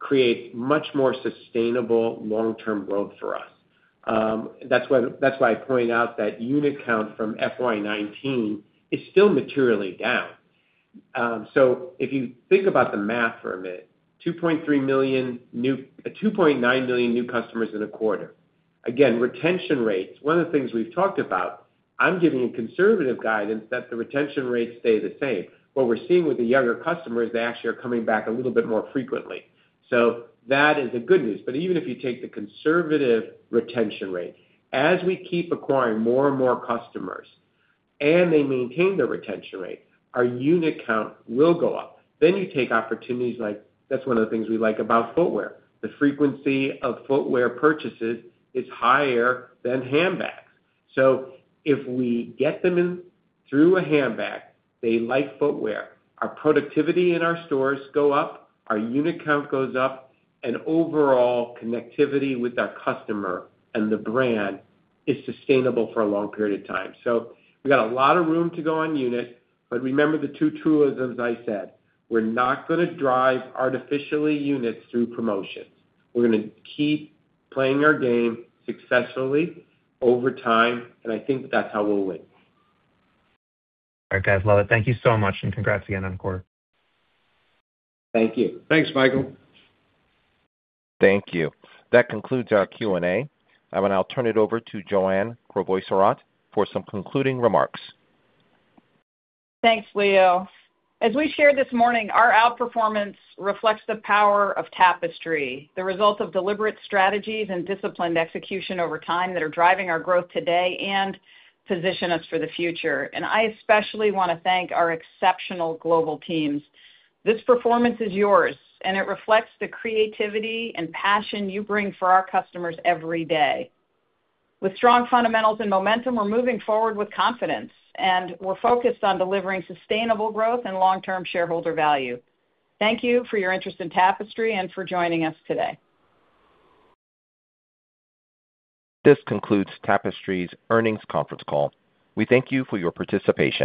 creates much more sustainable long-term growth for us. That's why I point out that unit count from FY 2019 is still materially down. So if you think about the math for a minute, 2.9 million new customers in a quarter. Again, retention rates, one of the things we've talked about, I'm giving you conservative guidance that the retention rates stay the same. What we're seeing with the younger customers, they actually are coming back a little bit more frequently. That is the good news. But even if you take the conservative retention rate, as we keep acquiring more and more customers, and they maintain their retention rate, our unit count will go up. Then you take opportunities like, that's one of the things we like about footwear. The frequency of footwear purchases is higher than handbags. So if we get them in through a handbag, they like footwear, our productivity in our stores go up, our unit count goes up, and overall connectivity with our customer and the brand is sustainable for a long period of time. So we've got a lot of room to go on units, but remember the two truisms I said: We're not gonna drive artificially units through promotions. We're gonna keep playing our game successfully over time, and I think that's how we'll win. All right, guys. Love it. Thank you so much, and congrats again on Core. Thank you. Thanks, Michael. Thank you. That concludes our Q&A. I will now turn it over to Joanne Crevoiserat for some concluding remarks. Thanks, Leo. As we shared this morning, our outperformance reflects the power of Tapestry, the result of deliberate strategies and disciplined execution over time that are driving our growth today and position us for the future. I especially want to thank our exceptional global teams. This performance is yours, and it reflects the creativity and passion you bring for our customers every day. With strong fundamentals and momentum, we're moving forward with confidence, and we're focused on delivering sustainable growth and long-term shareholder value. Thank you for your interest in Tapestry and for joining us today. This concludes Tapestry's earnings conference call. We thank you for your participation.